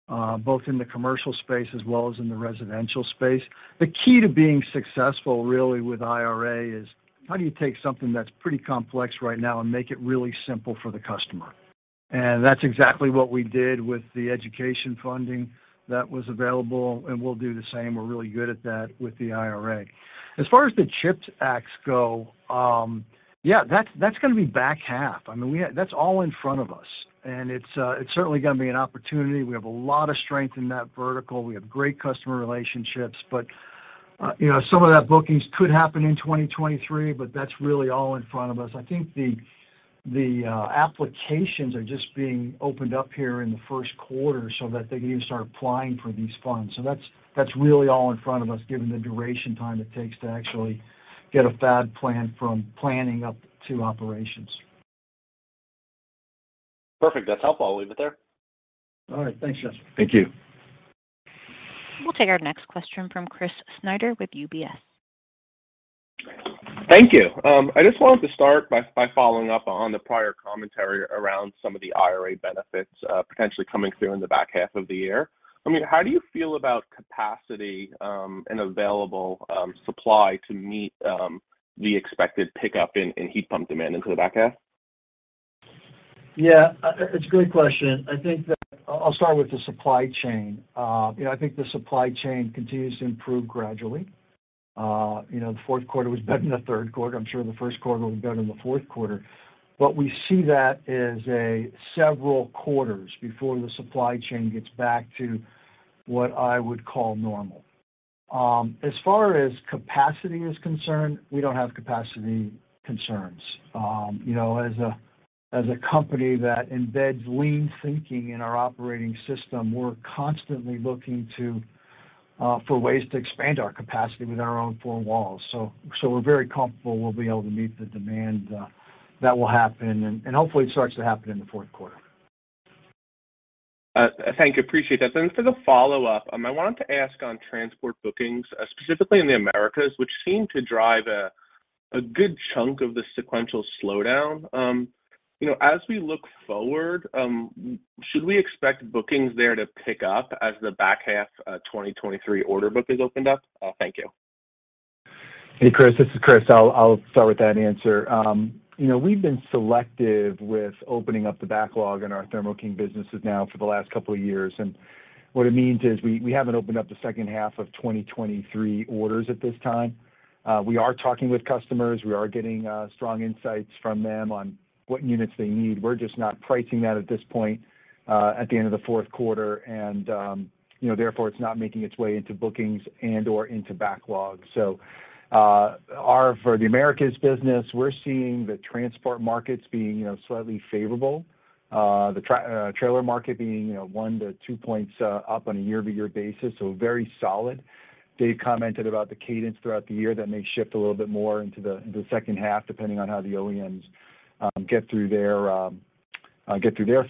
both in the commercial space as well as in the residential space. The key to being successful really with IRA is how do you take something that's pretty complex right now and make it really simple for the customer? That's exactly what we did with the education funding that was available, and we'll do the same, we're really good at that, with the IRA. As far as the CHIPS Act go, yeah, that's gonna be back half. I mean, we had... That's all in front of us, it's certainly gonna be an opportunity. We have a lot of strength in that vertical. We have great customer relationships. You know, some of that bookings could happen in 2023, but that's really all in front of us. I think the applications are just being opened up here in the first quarter so that they can even start applying for these funds. That's really all in front of us, given the duration time it takes to actually get a fab plant from planning up to operations. Perfect. That's helpful. I'll leave it there. All right. Thanks, Josh. Thank you. We'll take our next question from Chris Snyder with UBS. Thank you. I just wanted to start by following up on the prior commentary around some of the IRA benefits potentially coming through in the back half of the year. I mean, how do you feel about capacity and available supply to meet the expected pickup in heat pump demand into the back half? Yeah. It's a great question. I think that I'll start with the supply chain. You know, I think the supply chain continues to improve gradually. You know, the fourth quarter was better than the third quarter. I'm sure the first quarter will be better than the fourth quarter. We see that as a several quarters before the supply chain gets back to what I would call normal. As far as capacity is concerned, we don't have capacity concerns. You know, as a company that embeds lean thinking in our operating system, we're constantly looking for ways to expand our capacity with our own four walls. We're very comfortable we'll be able to meet the demand that will happen, and hopefully it starts to happen in the fourth quarter. Thank you. Appreciate that. For the follow-up, I wanted to ask on transport bookings, specifically in the Americas, which seem to drive a good chunk of the sequential slowdown. You know, as we look forward, should we expect bookings there to pick up as the back half 2023 order book is opened up? Thank you. Hey, Chris, this is Chris. I'll start with that answer. You know, we've been selective with opening up the backlog in our Thermo King businesses now for the last couple of years. What it means is we haven't opened up the second half of 2023 orders at this time. We are talking with customers. We are getting strong insights from them on what units they need. We're just not pricing that at this point, at the end of the fourth quarter and, you know, therefore, it's not making its way into bookings and/or into backlog. For the Americas business, we're seeing the transport markets being, you know, slightly favorable. The trailer market being, you know, one to two points up on a year-over-year basis, very solid. Dave commented about the cadence throughout the year. That may shift a little bit more into the second half, depending on how the OEMs get through their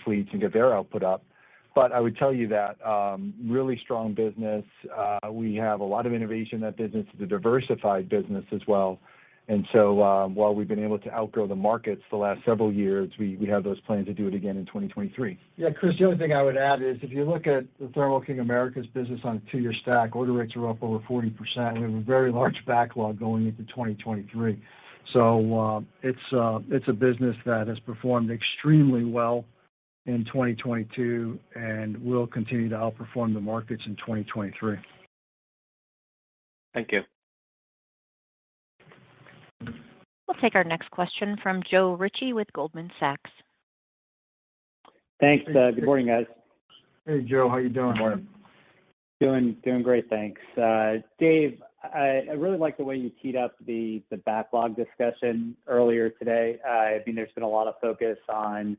fleets and get their output up. I would tell you that really strong business. We have a lot of innovation in that business. It's a diversified business as well. While we've been able to outgrow the markets the last several years, we have those plans to do it again in 2023. Chris, the only thing I would add is if you look at the Thermo King Americas business on a two-year stack, order rates are up over 40%. We have a very large backlog going into 2023. It's a business that has performed extremely well in 2022 and will continue to outperform the markets in 2023. Thank you. We'll take our next question from Joe Ritchie with Goldman Sachs. Thanks. Good morning, guys. Hey, Joe. How you doing? Good morning. Doing great, thanks. Dave, I really like the way you teed up the backlog discussion earlier today. I mean, there's been a lot of focus on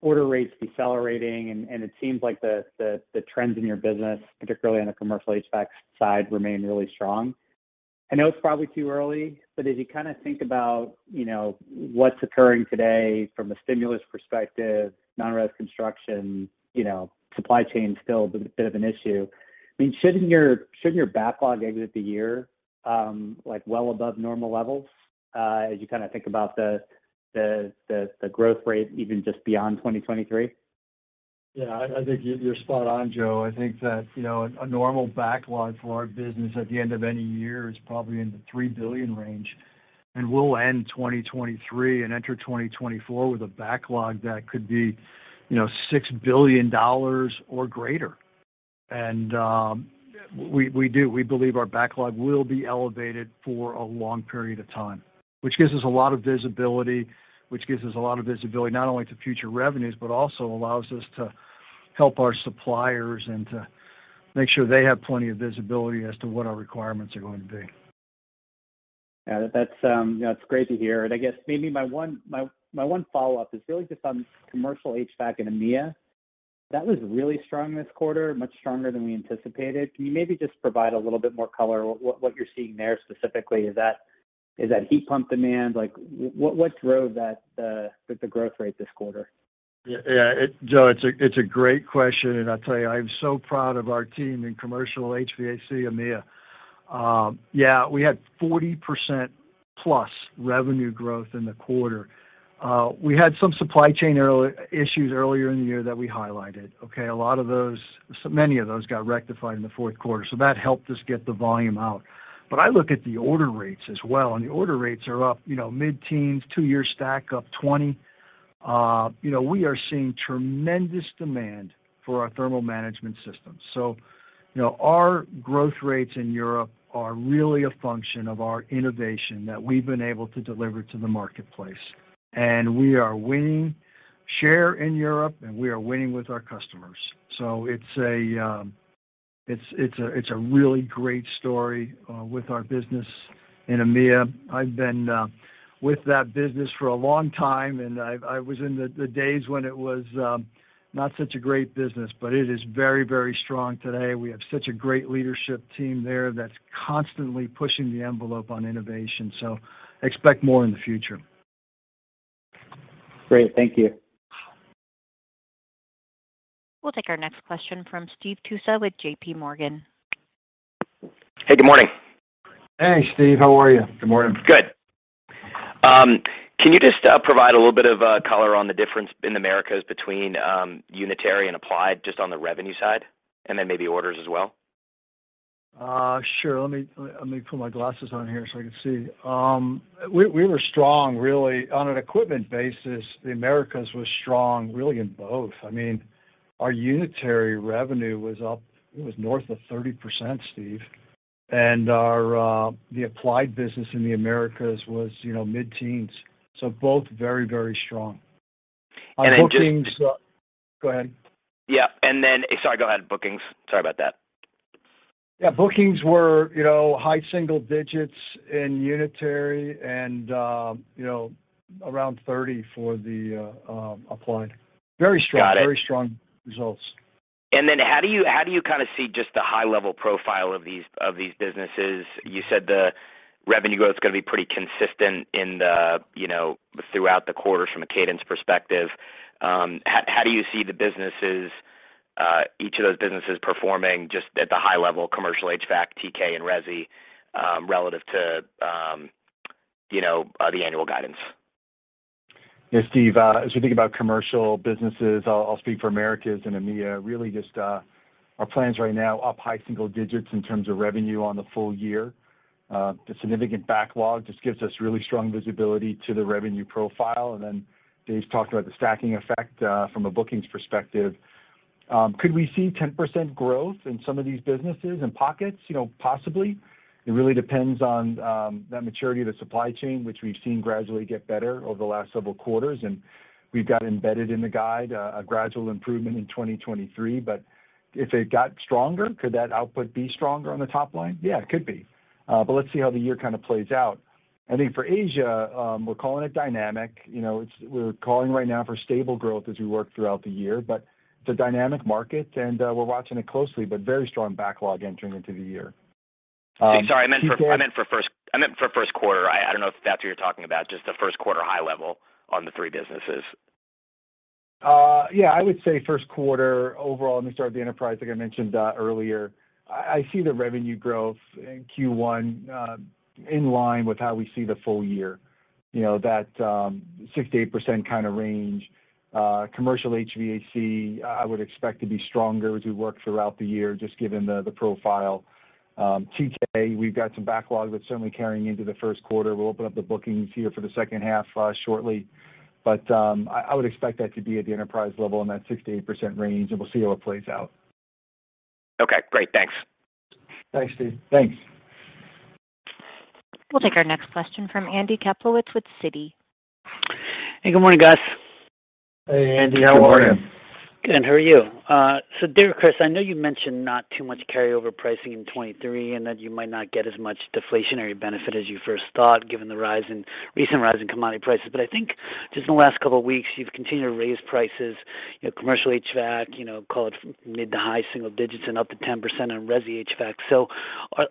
order rates decelerating, and it seems like the trends in your business, particularly on the commercial HVAC side, remain really strong. I know it's probably too early, but as you kinda think about, you know, what's occurring today from a stimulus perspective, non-res construction, you know, supply chain's still a bit of an issue. I mean, shouldn't your backlog exit the year, like, well above normal levels, as you kinda think about the growth rate even just beyond 2023? Yeah. I think you're spot on, Joe. I think that, you know, a normal backlog for our business at the end of any year is probably in the $3 billion range, we'll end 2023 and enter 2024 with a backlog that could be, you know, $6 billion or greater. We do. We believe our backlog will be elevated for a long period of time, which gives us a lot of visibility not only to future revenues, but also allows us to help our suppliers and to make sure they have plenty of visibility as to what our requirements are going to be. Yeah. That's that's great to hear. I guess maybe my one follow-up is really just on commercial HVAC in EMEA. That was really strong this quarter, much stronger than we anticipated. Can you maybe just provide a little bit more color what you're seeing there specifically? Is that heat pump demand? Like, what drove that the growth rate this quarter? Joe, it's a great question. I'll tell you, I'm so proud of our team in commercial HVAC EMEA. We had 40% plus revenue growth in the quarter. We had some supply chain issues earlier in the year that we highlighted, okay? So many of those got rectified in the fourth quarter, that helped us get the volume out. I look at the order rates as well, and the order rates are up, you know, mid-teens, two-year stack up 20%. We are seeing tremendous demand for our thermal management systems. Our growth rates in Europe are really a function of our innovation that we've been able to deliver to the marketplace. We are winning share in Europe, we are winning with our customers. It's a really great story with our business in EMEA. I've been with that business for a long time, and I was in the days when it was not such a great business. It is very, very strong today. We have such a great leadership team there that's constantly pushing the envelope on innovation, expect more in the future. Great. Thank you. We'll take our next question from Steve Tusa with JPMorgan. Hey, good morning. Hey, Steve. How are you? Good morning. Good. Can you just provide a little bit of color on the difference in Americas between Unitary and Applied just on the revenue side, and then maybe orders as well? Sure. Let me put my glasses on here so I can see. We were strong really. On an equipment basis, the Americas was strong, really in both. I mean, our Unitary revenue was up, it was north of 30%, Steve. Our, the Applied business in the Americas was, you know, mid-teens. Both very strong. And then just- On bookings... Go ahead. Yeah. Sorry, go ahead. Bookings. Sorry about that. Yeah. Bookings were, you know, high single digits in Unitary and, you know, around 30% for the Applied. Got it. Very strong. Very strong results. How do you kinda see just the high level profile of these businesses? You said the revenue growth is gonna be pretty consistent in the, you know, throughout the quarters from a cadence perspective. How do you see the businesses, each of those businesses performing just at the high level commercial HVAC, TK, and Resi, relative to, you know, the annual guidance? Yeah, Steve, as we think about commercial businesses, I'll speak for Americas and EMEA. Really just, our plans right now up high single digits in terms of revenue on the full year. The significant backlog just gives us really strong visibility to the revenue profile. Dave's talked about the stacking effect from a bookings perspective. Could we see 10% growth in some of these businesses and pockets? You know, possibly. It really depends on the maturity of the supply chain, which we've seen gradually get better over the last several quarters, and we've got embedded in the guide, a gradual improvement in 2023. If it got stronger, could that output be stronger on the top line? Yeah, it could be. Let's see how the year kinda plays out. I think for Asia, we're calling it dynamic. You know, we're calling right now for stable growth as we work throughout the year, but it's a dynamic market and we're watching it closely, but very strong backlog entering into the year. Sorry, I meant. Steve. I meant for first quarter. I don't know if that's what you're talking about, just the first quarter high level on the three businesses. Yeah, I would say first quarter overall, let me start with the enterprise, like I mentioned earlier. I see the revenue growth in Q1 in line with how we see the full year. You know, that 6%-8% kinda range. Commercial HVAC, I would expect to be stronger as we work throughout the year, just given the profile. TK, we've got some backlog that's certainly carrying into the first quarter. We'll open up the bookings here for the second half shortly. I would expect that to be at the enterprise level in that 6%-8% range, and we'll see how it plays out. Okay, great. Thanks. Thanks, Steve. Thanks. We'll take our next question from Andy Kaplowitz with Citi. Hey, good morning, guys. Hey, Andy. How are you? Good morning. Good. How are you? Dave or Chris, I know you mentioned not too much carryover pricing in 2023, and that you might not get as much deflationary benefit as you first thought, given the recent rise in commodity prices. I think just in the last couple of weeks, you've continued to raise prices, you know, commercial HVAC, you know, call it mid to high single digits and up to 10% on resi HVAC.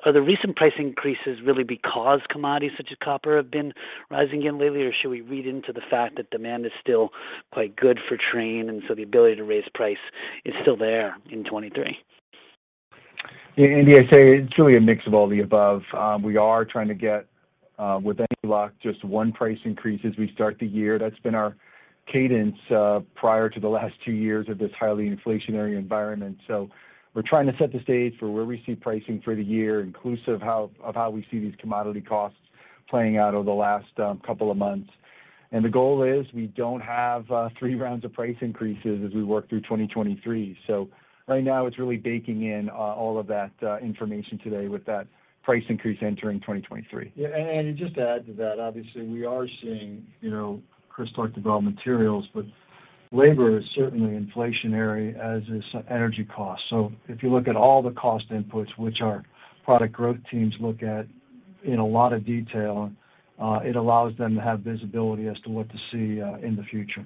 Are the recent price increases really because commodities such as copper have been rising again lately, or should we read into the fact that demand is still quite good for Trane, and the ability to raise price is still there in 23? Yeah, Andy, I'd say it's really a mix of all the above. We are trying to get with any luck, just one price increase as we start the year. That's been our cadence prior to the last two years of this highly inflationary environment. We're trying to set the stage for where we see pricing for the year, inclusive of how we see these commodity costs playing out over the last couple of months. The goal is we don't have three rounds of price increases as we work through 2023. Right now it's really baking in all of that information today with that price increase entering 2023. Yeah. Just to add to that, obviously, we are seeing, you know, Chris talked about materials, but labor is certainly inflationary, as is energy costs. If you look at all the cost inputs, which our product growth teams look at in a lot of detail, it allows them to have visibility as to what to see in the future.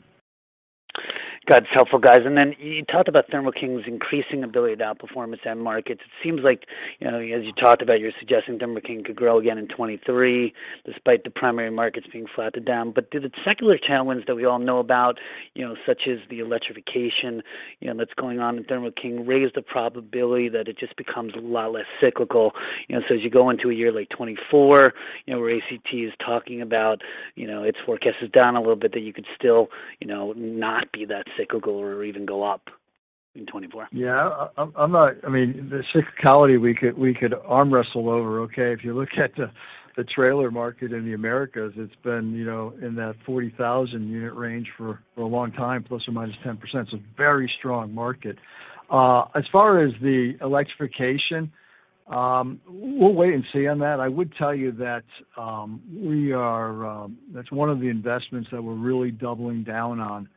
Got it. It's helpful, guys. Then you talked about Thermo King's increasing ability to outperform its end markets. It seems like, you know, as you talked about, you're suggesting Thermo King could grow again in 2023 despite the primary markets being flattened down. Do the secular tailwinds that we all know about, you know, such as the electrification, you know, that's going on in Thermo King raise the probability that it just becomes a lot less cyclical? As you go into a year like 2024, you know, where ACT is talking about, you know, its forecast is down a little bit, that you could still, you know, not be that cyclical or even go up in 2024. I mean, the cyclicality we could arm wrestle over, okay? If you look at the trailer market in the Americas, it's been, you know, in that 40,000 unit range for a long time, plus or minus 10%. Very strong market. As far as the electrification, we'll wait and see on that. I would tell you that we are. That's one of the investments that we're really doubling down on,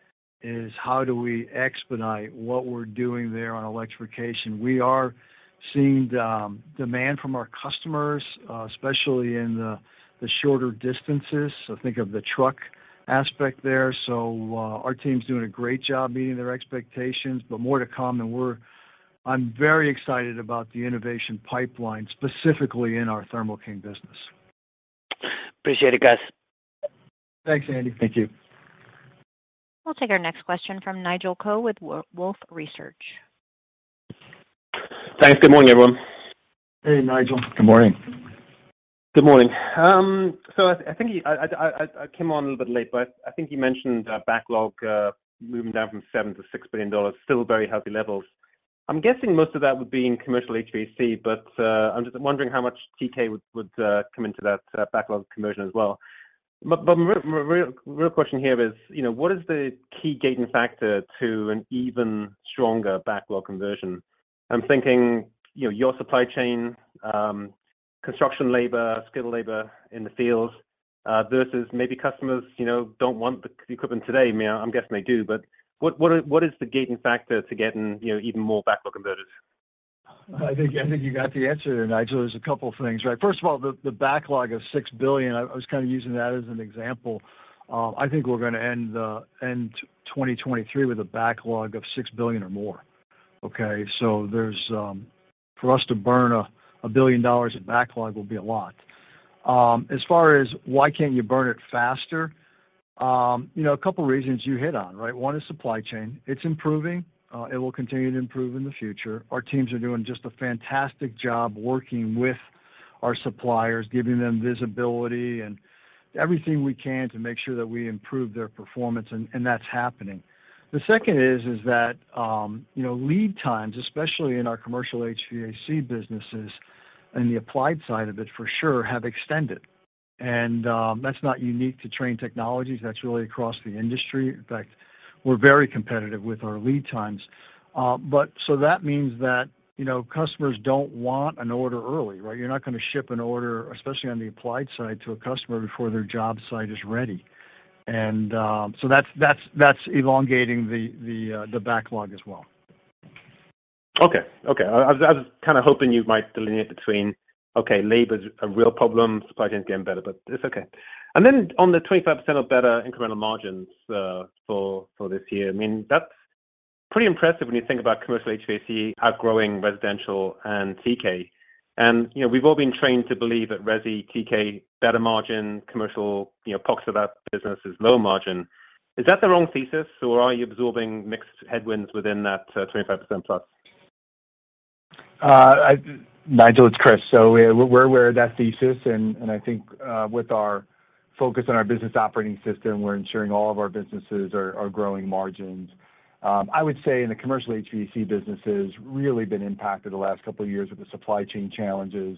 is how do we expedite what we're doing there on electrification. We are seeing demand from our customers, especially in the shorter distances. Think of the truck aspect there. Our team's doing a great job meeting their expectations, but more to come. I'm very excited about the innovation pipeline, specifically in our Thermo King business. Appreciate it, guys. Thanks, Andy. Thank you. We'll take our next question from Nigel Coe with Wolfe Research. Thanks. Good morning, everyone. Hey, Nigel. Good morning. Good morning. I came on a little bit late, but I think you mentioned backlog moving down from $7 billion to $6 billion, still very healthy levels. I'm guessing most of that would be in commercial HVAC, but I'm just wondering how much TK would come into that backlog conversion as well. My real question here is, you know, what is the key gating factor to an even stronger backlog conversion? I'm thinking, you know, your supply chain, construction labor, skilled labor in the fields, versus maybe customers, you know, don't want the equipment today. I mean, I'm guessing they do, but what is the gating factor to getting, you know, even more backlog converted? I think you got the answer there, Nigel. There's a couple things, right? First of all, the backlog of $6 billion, I was kinda using that as an example. I think we're gonna end 2023 with a backlog of $6 billion or more. Okay? There's for us to burn a $1 billion in backlog will be a lot. As far as why can't you burn it faster, you know, a couple of reasons you hit on, right? One is supply chain. It's improving. It will continue to improve in the future. Our teams are doing just a fantastic job working with our suppliers, giving them visibility and everything we can to make sure that we improve their performance, and that's happening. The second is that, you know, lead times, especially in our commercial HVAC businesses and the Applied side of it for sure have extended. That's not unique to Trane Technologies. That's really across the industry. In fact, we're very competitive with our lead times. That means that, you know, customers don't want an order early, right? You're not gonna ship an order, especially on the Applied side to a customer before their job site is ready. That's elongating the backlog as well. Okay. Okay. I was kinda hoping you might delineate between, okay, labor's a real problem, supply chain is getting better, but it's okay. Then on the 25% or better incremental margins, for this year, I mean, that's pretty impressive when you think about commercial HVAC outgrowing residential and TK. You know, we've all been trained to believe that Resi, TK, better margin, commercial, you know, parts of that business is low margin. Is that the wrong thesis, or are you absorbing mixed headwinds within that 25%+? Nigel, it's Chris. We're aware of that thesis. I think, with our focus on our business operating system, we're ensuring all of our businesses are growing margins. I would say in the commercial HVAC businesses really been impacted the last couple of years with the supply chain challenges,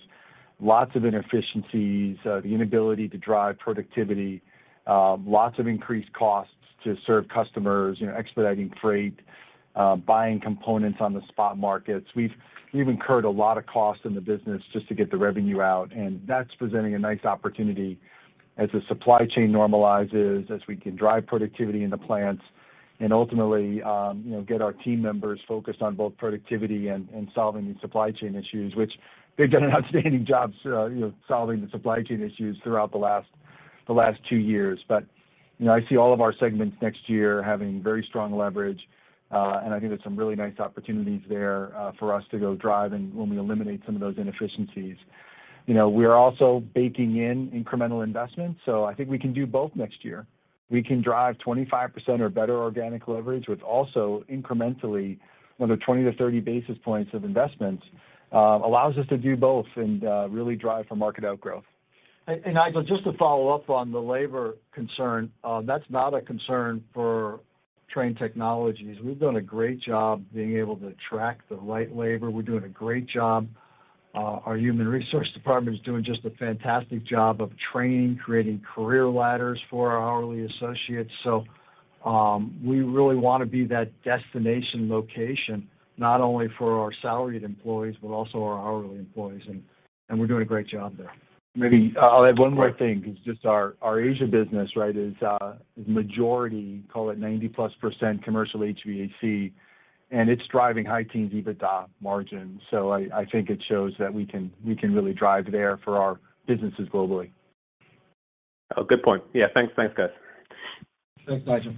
lots of inefficiencies, the inability to drive productivity, lots of increased costs to serve customers, you know, expediting freight, buying components on the spot markets. We've incurred a lot of costs in the business just to get the revenue out, and that's presenting a nice opportunity as the supply chain normalizes, as we can drive productivity in the plants and ultimately, you know, get our team members focused on both productivity and solving these supply chain issues, which they've done an outstanding job, you know, solving the supply chain issues throughout the last two years. You know, I see all of our segments next year having very strong leverage, and I think there's some really nice opportunities there for us to go drive and when we eliminate some of those inefficiencies. You know, we are also baking in incremental investments. I think we can do both next year. We can drive 25% or better organic leverage with also incrementally another 20 basis points-30 basis points of investment, allows us to do both and, really drive for market outgrowth. Nigel, just to follow up on the labor concern, that's not a concern for Trane Technologies. We've done a great job being able to attract the right labor. We're doing a great job. Our human resource department is doing just a fantastic job of training, creating career ladders for our hourly associates. We really wanna be that destination location, not only for our salaried employees, but also our hourly employees, and we're doing a great job there. Maybe I'll add one more thing. It's just our Asia business, right, is majority, call it 90%+ commercial HVAC, and it's driving high teens EBITDA margin. I think it shows that we can really drive there for our businesses globally. Oh, good point. Yeah. Thanks. Thanks, guys. Thanks, Nigel.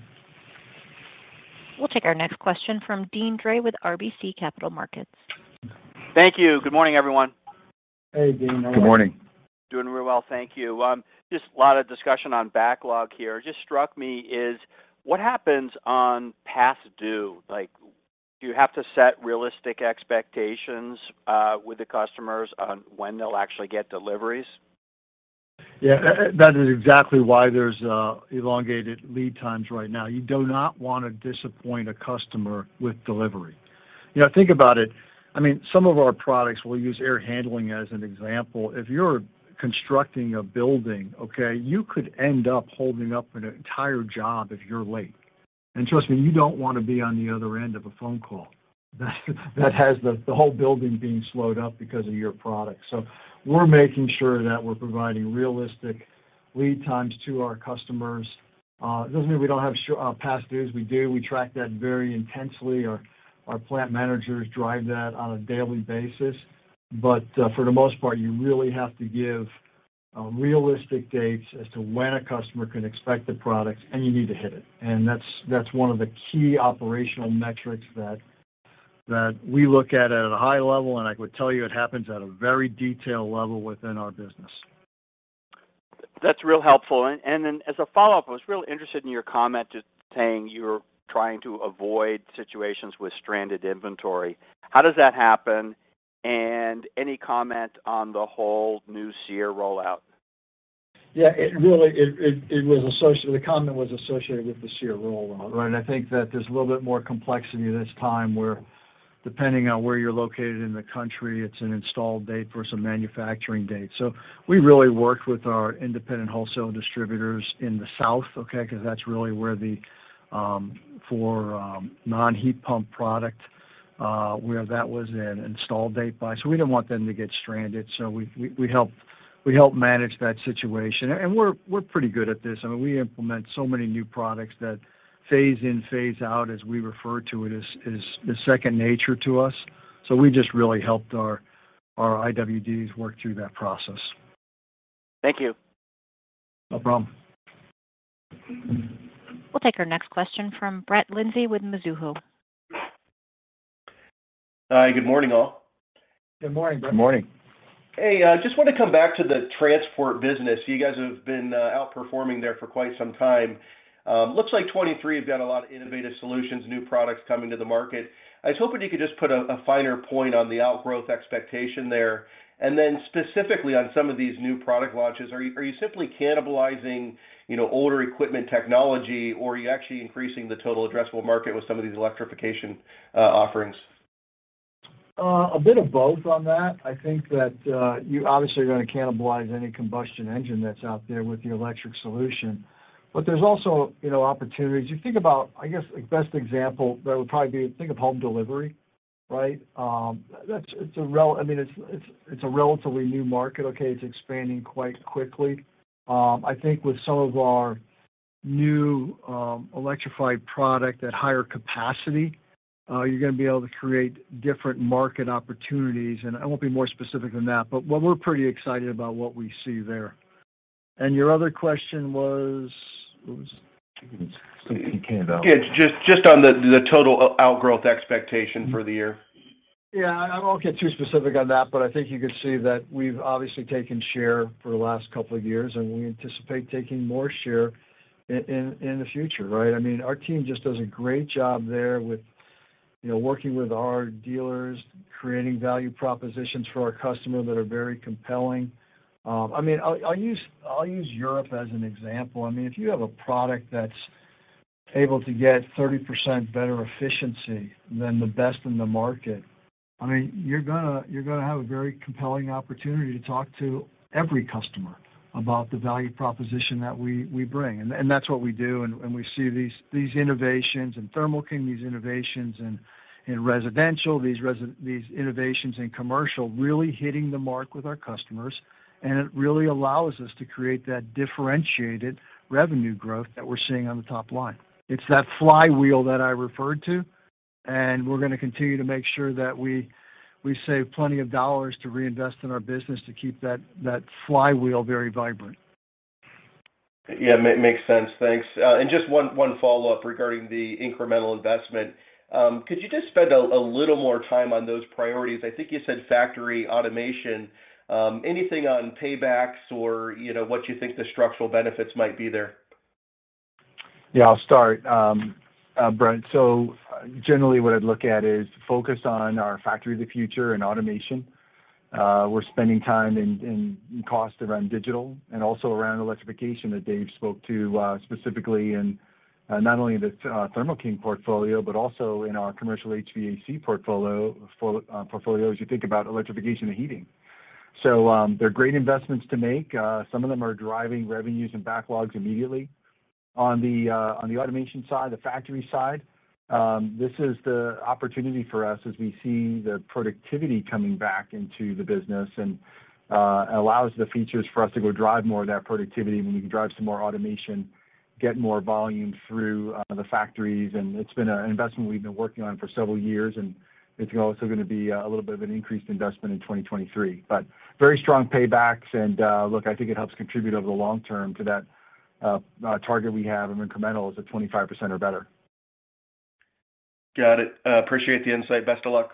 We'll take our next question from Deane Dray with RBC Capital Markets. Thank you. Good morning, everyone. Hey, Deane. How are you? Good morning. Doing really well. Thank you. Just a lot of discussion on backlog here. Just struck me is what happens on past due? Like, do you have to set realistic expectations, with the customers on when they'll actually get deliveries? Yeah. That is exactly why there's elongated lead times right now. You do not wanna disappoint a customer with delivery. You know, think about it. I mean, some of our products, we'll use air handling as an example. If you're constructing a building, okay, you could end up holding up an entire job if you're late. Trust me, you don't wanna be on the other end of a phone call that has the whole building being slowed up because of your product. We're making sure that we're providing realistic lead times to our customers. It doesn't mean we don't have past dues. We do. We track that very intensely. Our plant managers drive that on a daily basis. For the most part, you really have to give realistic dates as to when a customer can expect the products, and you need to hit it. That's, that's one of the key operational metrics that we look at it at a high level, and I could tell you it happens at a very detailed level within our business. That's real helpful. Then as a follow-up, I was real interested in your comment just saying you're trying to avoid situations with stranded inventory. How does that happen? Any comment on the whole new SEER rollout? The comment was associated with the SEER rollout, right? I think that there's a little bit more complexity this time where depending on where you're located in the country, it's an install date versus a manufacturing date. We really worked with our Independent Wholesale Distributors in the South, okay? That's really where the for non-heat pump product where that was an install date by. We didn't want them to get stranded, we helped manage that situation. We're pretty good at this. I mean, we implement so many new products that phase in, phase out, as we refer to it as, is second nature to us. We just really helped our IWDs work through that process. Thank you. No problem. We'll take our next question from Brett Linzey with Mizuho. Hi. Good morning, all. Good morning, Brett. Good morning. Hey, just wanna come back to the transport business. You guys have been outperforming there for quite some time. Looks like 2023 you've got a lot of innovative solutions, new products coming to the market. I was hoping you could just put a finer point on the outgrowth expectation there. Then specifically on some of these new product launches, are you simply cannibalizing, you know, older equipment technology or are you actually increasing the total addressable market with some of these electrification offerings? A bit of both on that. I think that you obviously are gonna cannibalize any combustion engine that's out there with the electric solution. There's also, you know, opportunities. You think about, I guess like best example that would probably be think of home delivery, right? That's, I mean, it's a relatively new market, okay? It's expanding quite quickly. I think with some of our new electrified product at higher capacity, you're gonna be able to create different market opportunities, and I won't be more specific than that. What we're pretty excited about what we see there. Your other question was... what was it? Yeah, just on the total outgrowth expectation for the year. Yeah, I won't get too specific on that, but I think you could see that we've obviously taken share for the last couple of years, and we anticipate taking more share in the future, right? I mean, our team just does a great job there with, you know, working with our dealers, creating value propositions for our customer that are very compelling. I mean, I'll use Europe as an example. I mean, if you have a product that's able to get 30% better efficiency than the best in the market, I mean, you're gonna have a very compelling opportunity to talk to every customer about the value proposition that we bring. That's what we do. We see these innovations in Thermo King, these innovations in residential, these innovations in commercial really hitting the mark with our customers. It really allows us to create that differentiated revenue growth that we're seeing on the top line. It's that flywheel that I referred to. We're gonna continue to make sure that we save plenty of dollars to reinvest in our business to keep that flywheel very vibrant. Yeah. Makes sense. Thanks. Just one follow-up regarding the incremental investment. Could you just spend a little more time on those priorities? I think you said factory automation. Anything on paybacks or, you know, what you think the structural benefits might be there? Yeah, I'll start, Brett. Generally what I'd look at is focus on our factory of the future and automation. We're spending time and cost around digital and also around electrification that Dave spoke to, specifically in not only the Thermo King portfolio, but also in our commercial HVAC portfolio as you think about electrification and heating. They're great investments to make. Some of them are driving revenues and backlogs immediately. On the automation side, the factory side, this is the opportunity for us as we see the productivity coming back into the business and allows the features for us to go drive more of that productivity, and we can drive some more automation, get more volume through the factories. It's been an investment we've been working on for several years, and it's also gonna be a little bit of an increased investment in 2023. Very strong paybacks and look, I think it helps contribute over the long term to that target we have of incremental is at 25% or better. Got it. Appreciate the insight. Best of luck.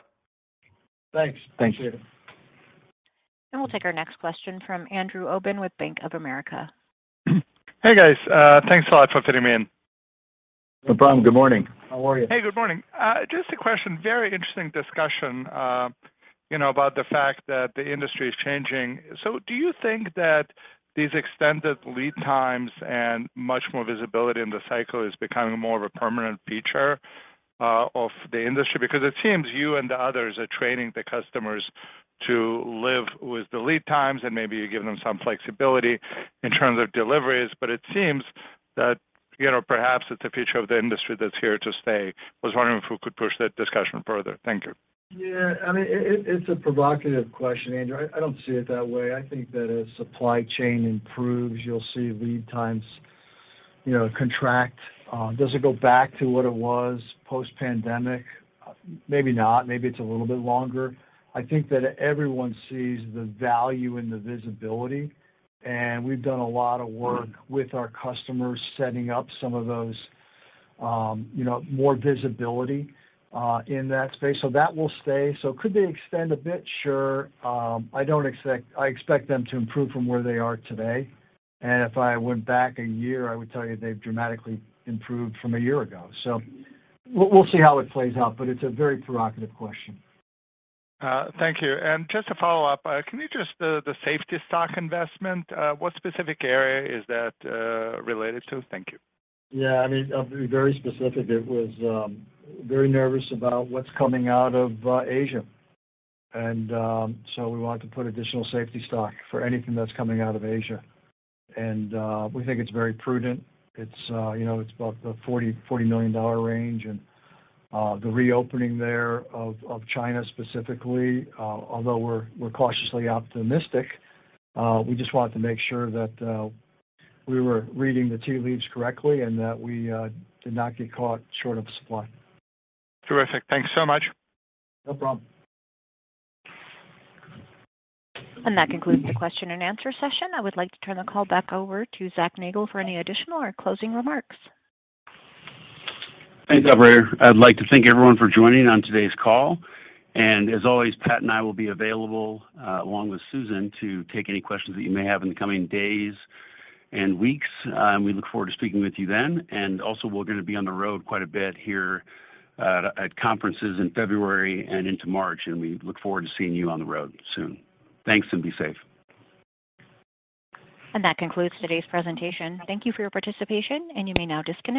Thanks. Thanks. Appreciate it. We'll take our next question from Andrew Obin with Bank of America. Hey, guys. Thanks a lot for fitting me in. No problem. Good morning. How are you? Hey, good morning. Just a question. Very interesting discussion, you know, about the fact that the industry is changing. Do you think that these extended lead times and much more visibility in the cycle is becoming more of a permanent feature of the industry? Because it seems you and the others are training the customers to live with the lead times, and maybe you give them some flexibility in terms of deliveries. It seems that, you know, perhaps it's a feature of the industry that's here to stay. Was wondering if we could push that discussion further? Thank you. Yeah. I mean, it's a provocative question, Andrew. I don't see it that way. I think that as supply chain improves, you'll see lead times, you know, contract. Does it go back to what it was post-pandemic? Maybe not. Maybe it's a little bit longer. I think that everyone sees the value in the visibility, and we've done a lot of work with our customers, setting up some of those, you know, more visibility in that space. That will stay. Could they extend a bit? Sure. I expect them to improve from where they are today. If I went back a year, I would tell you they've dramatically improved from a year ago. We'll see how it plays out, but it's a very provocative question. Thank you. Just to follow up, can you address the safety stock investment? What specific area is that related to? Thank you. Yeah, I mean, I'll be very specific. It was very nervous about what's coming out of Asia. So we wanted to put additional safety stock for anything that's coming out of Asia. We think it's very prudent. It's about the $40 million range. The reopening there of China specifically, although we're cautiously optimistic, we just wanted to make sure that we were reading the tea leaves correctly and that we did not get caught short of supply. Terrific. Thanks so much. No problem. That concludes the question and answer session. I would like to turn the call back over to Zac Nagle for any additional or closing remarks. Thanks, operator. I'd like to thank everyone for joining on today's call. As always, Pat and I will be available along with Susan, to take any questions that you may have in the coming days and weeks. We look forward to speaking with you then. Also we're gonna be on the road quite a bit here at conferences in February and into March, and we look forward to seeing you on the road soon. Thanks, and be safe. That concludes today's presentation. Thank you for your participation, and you may now disconnect.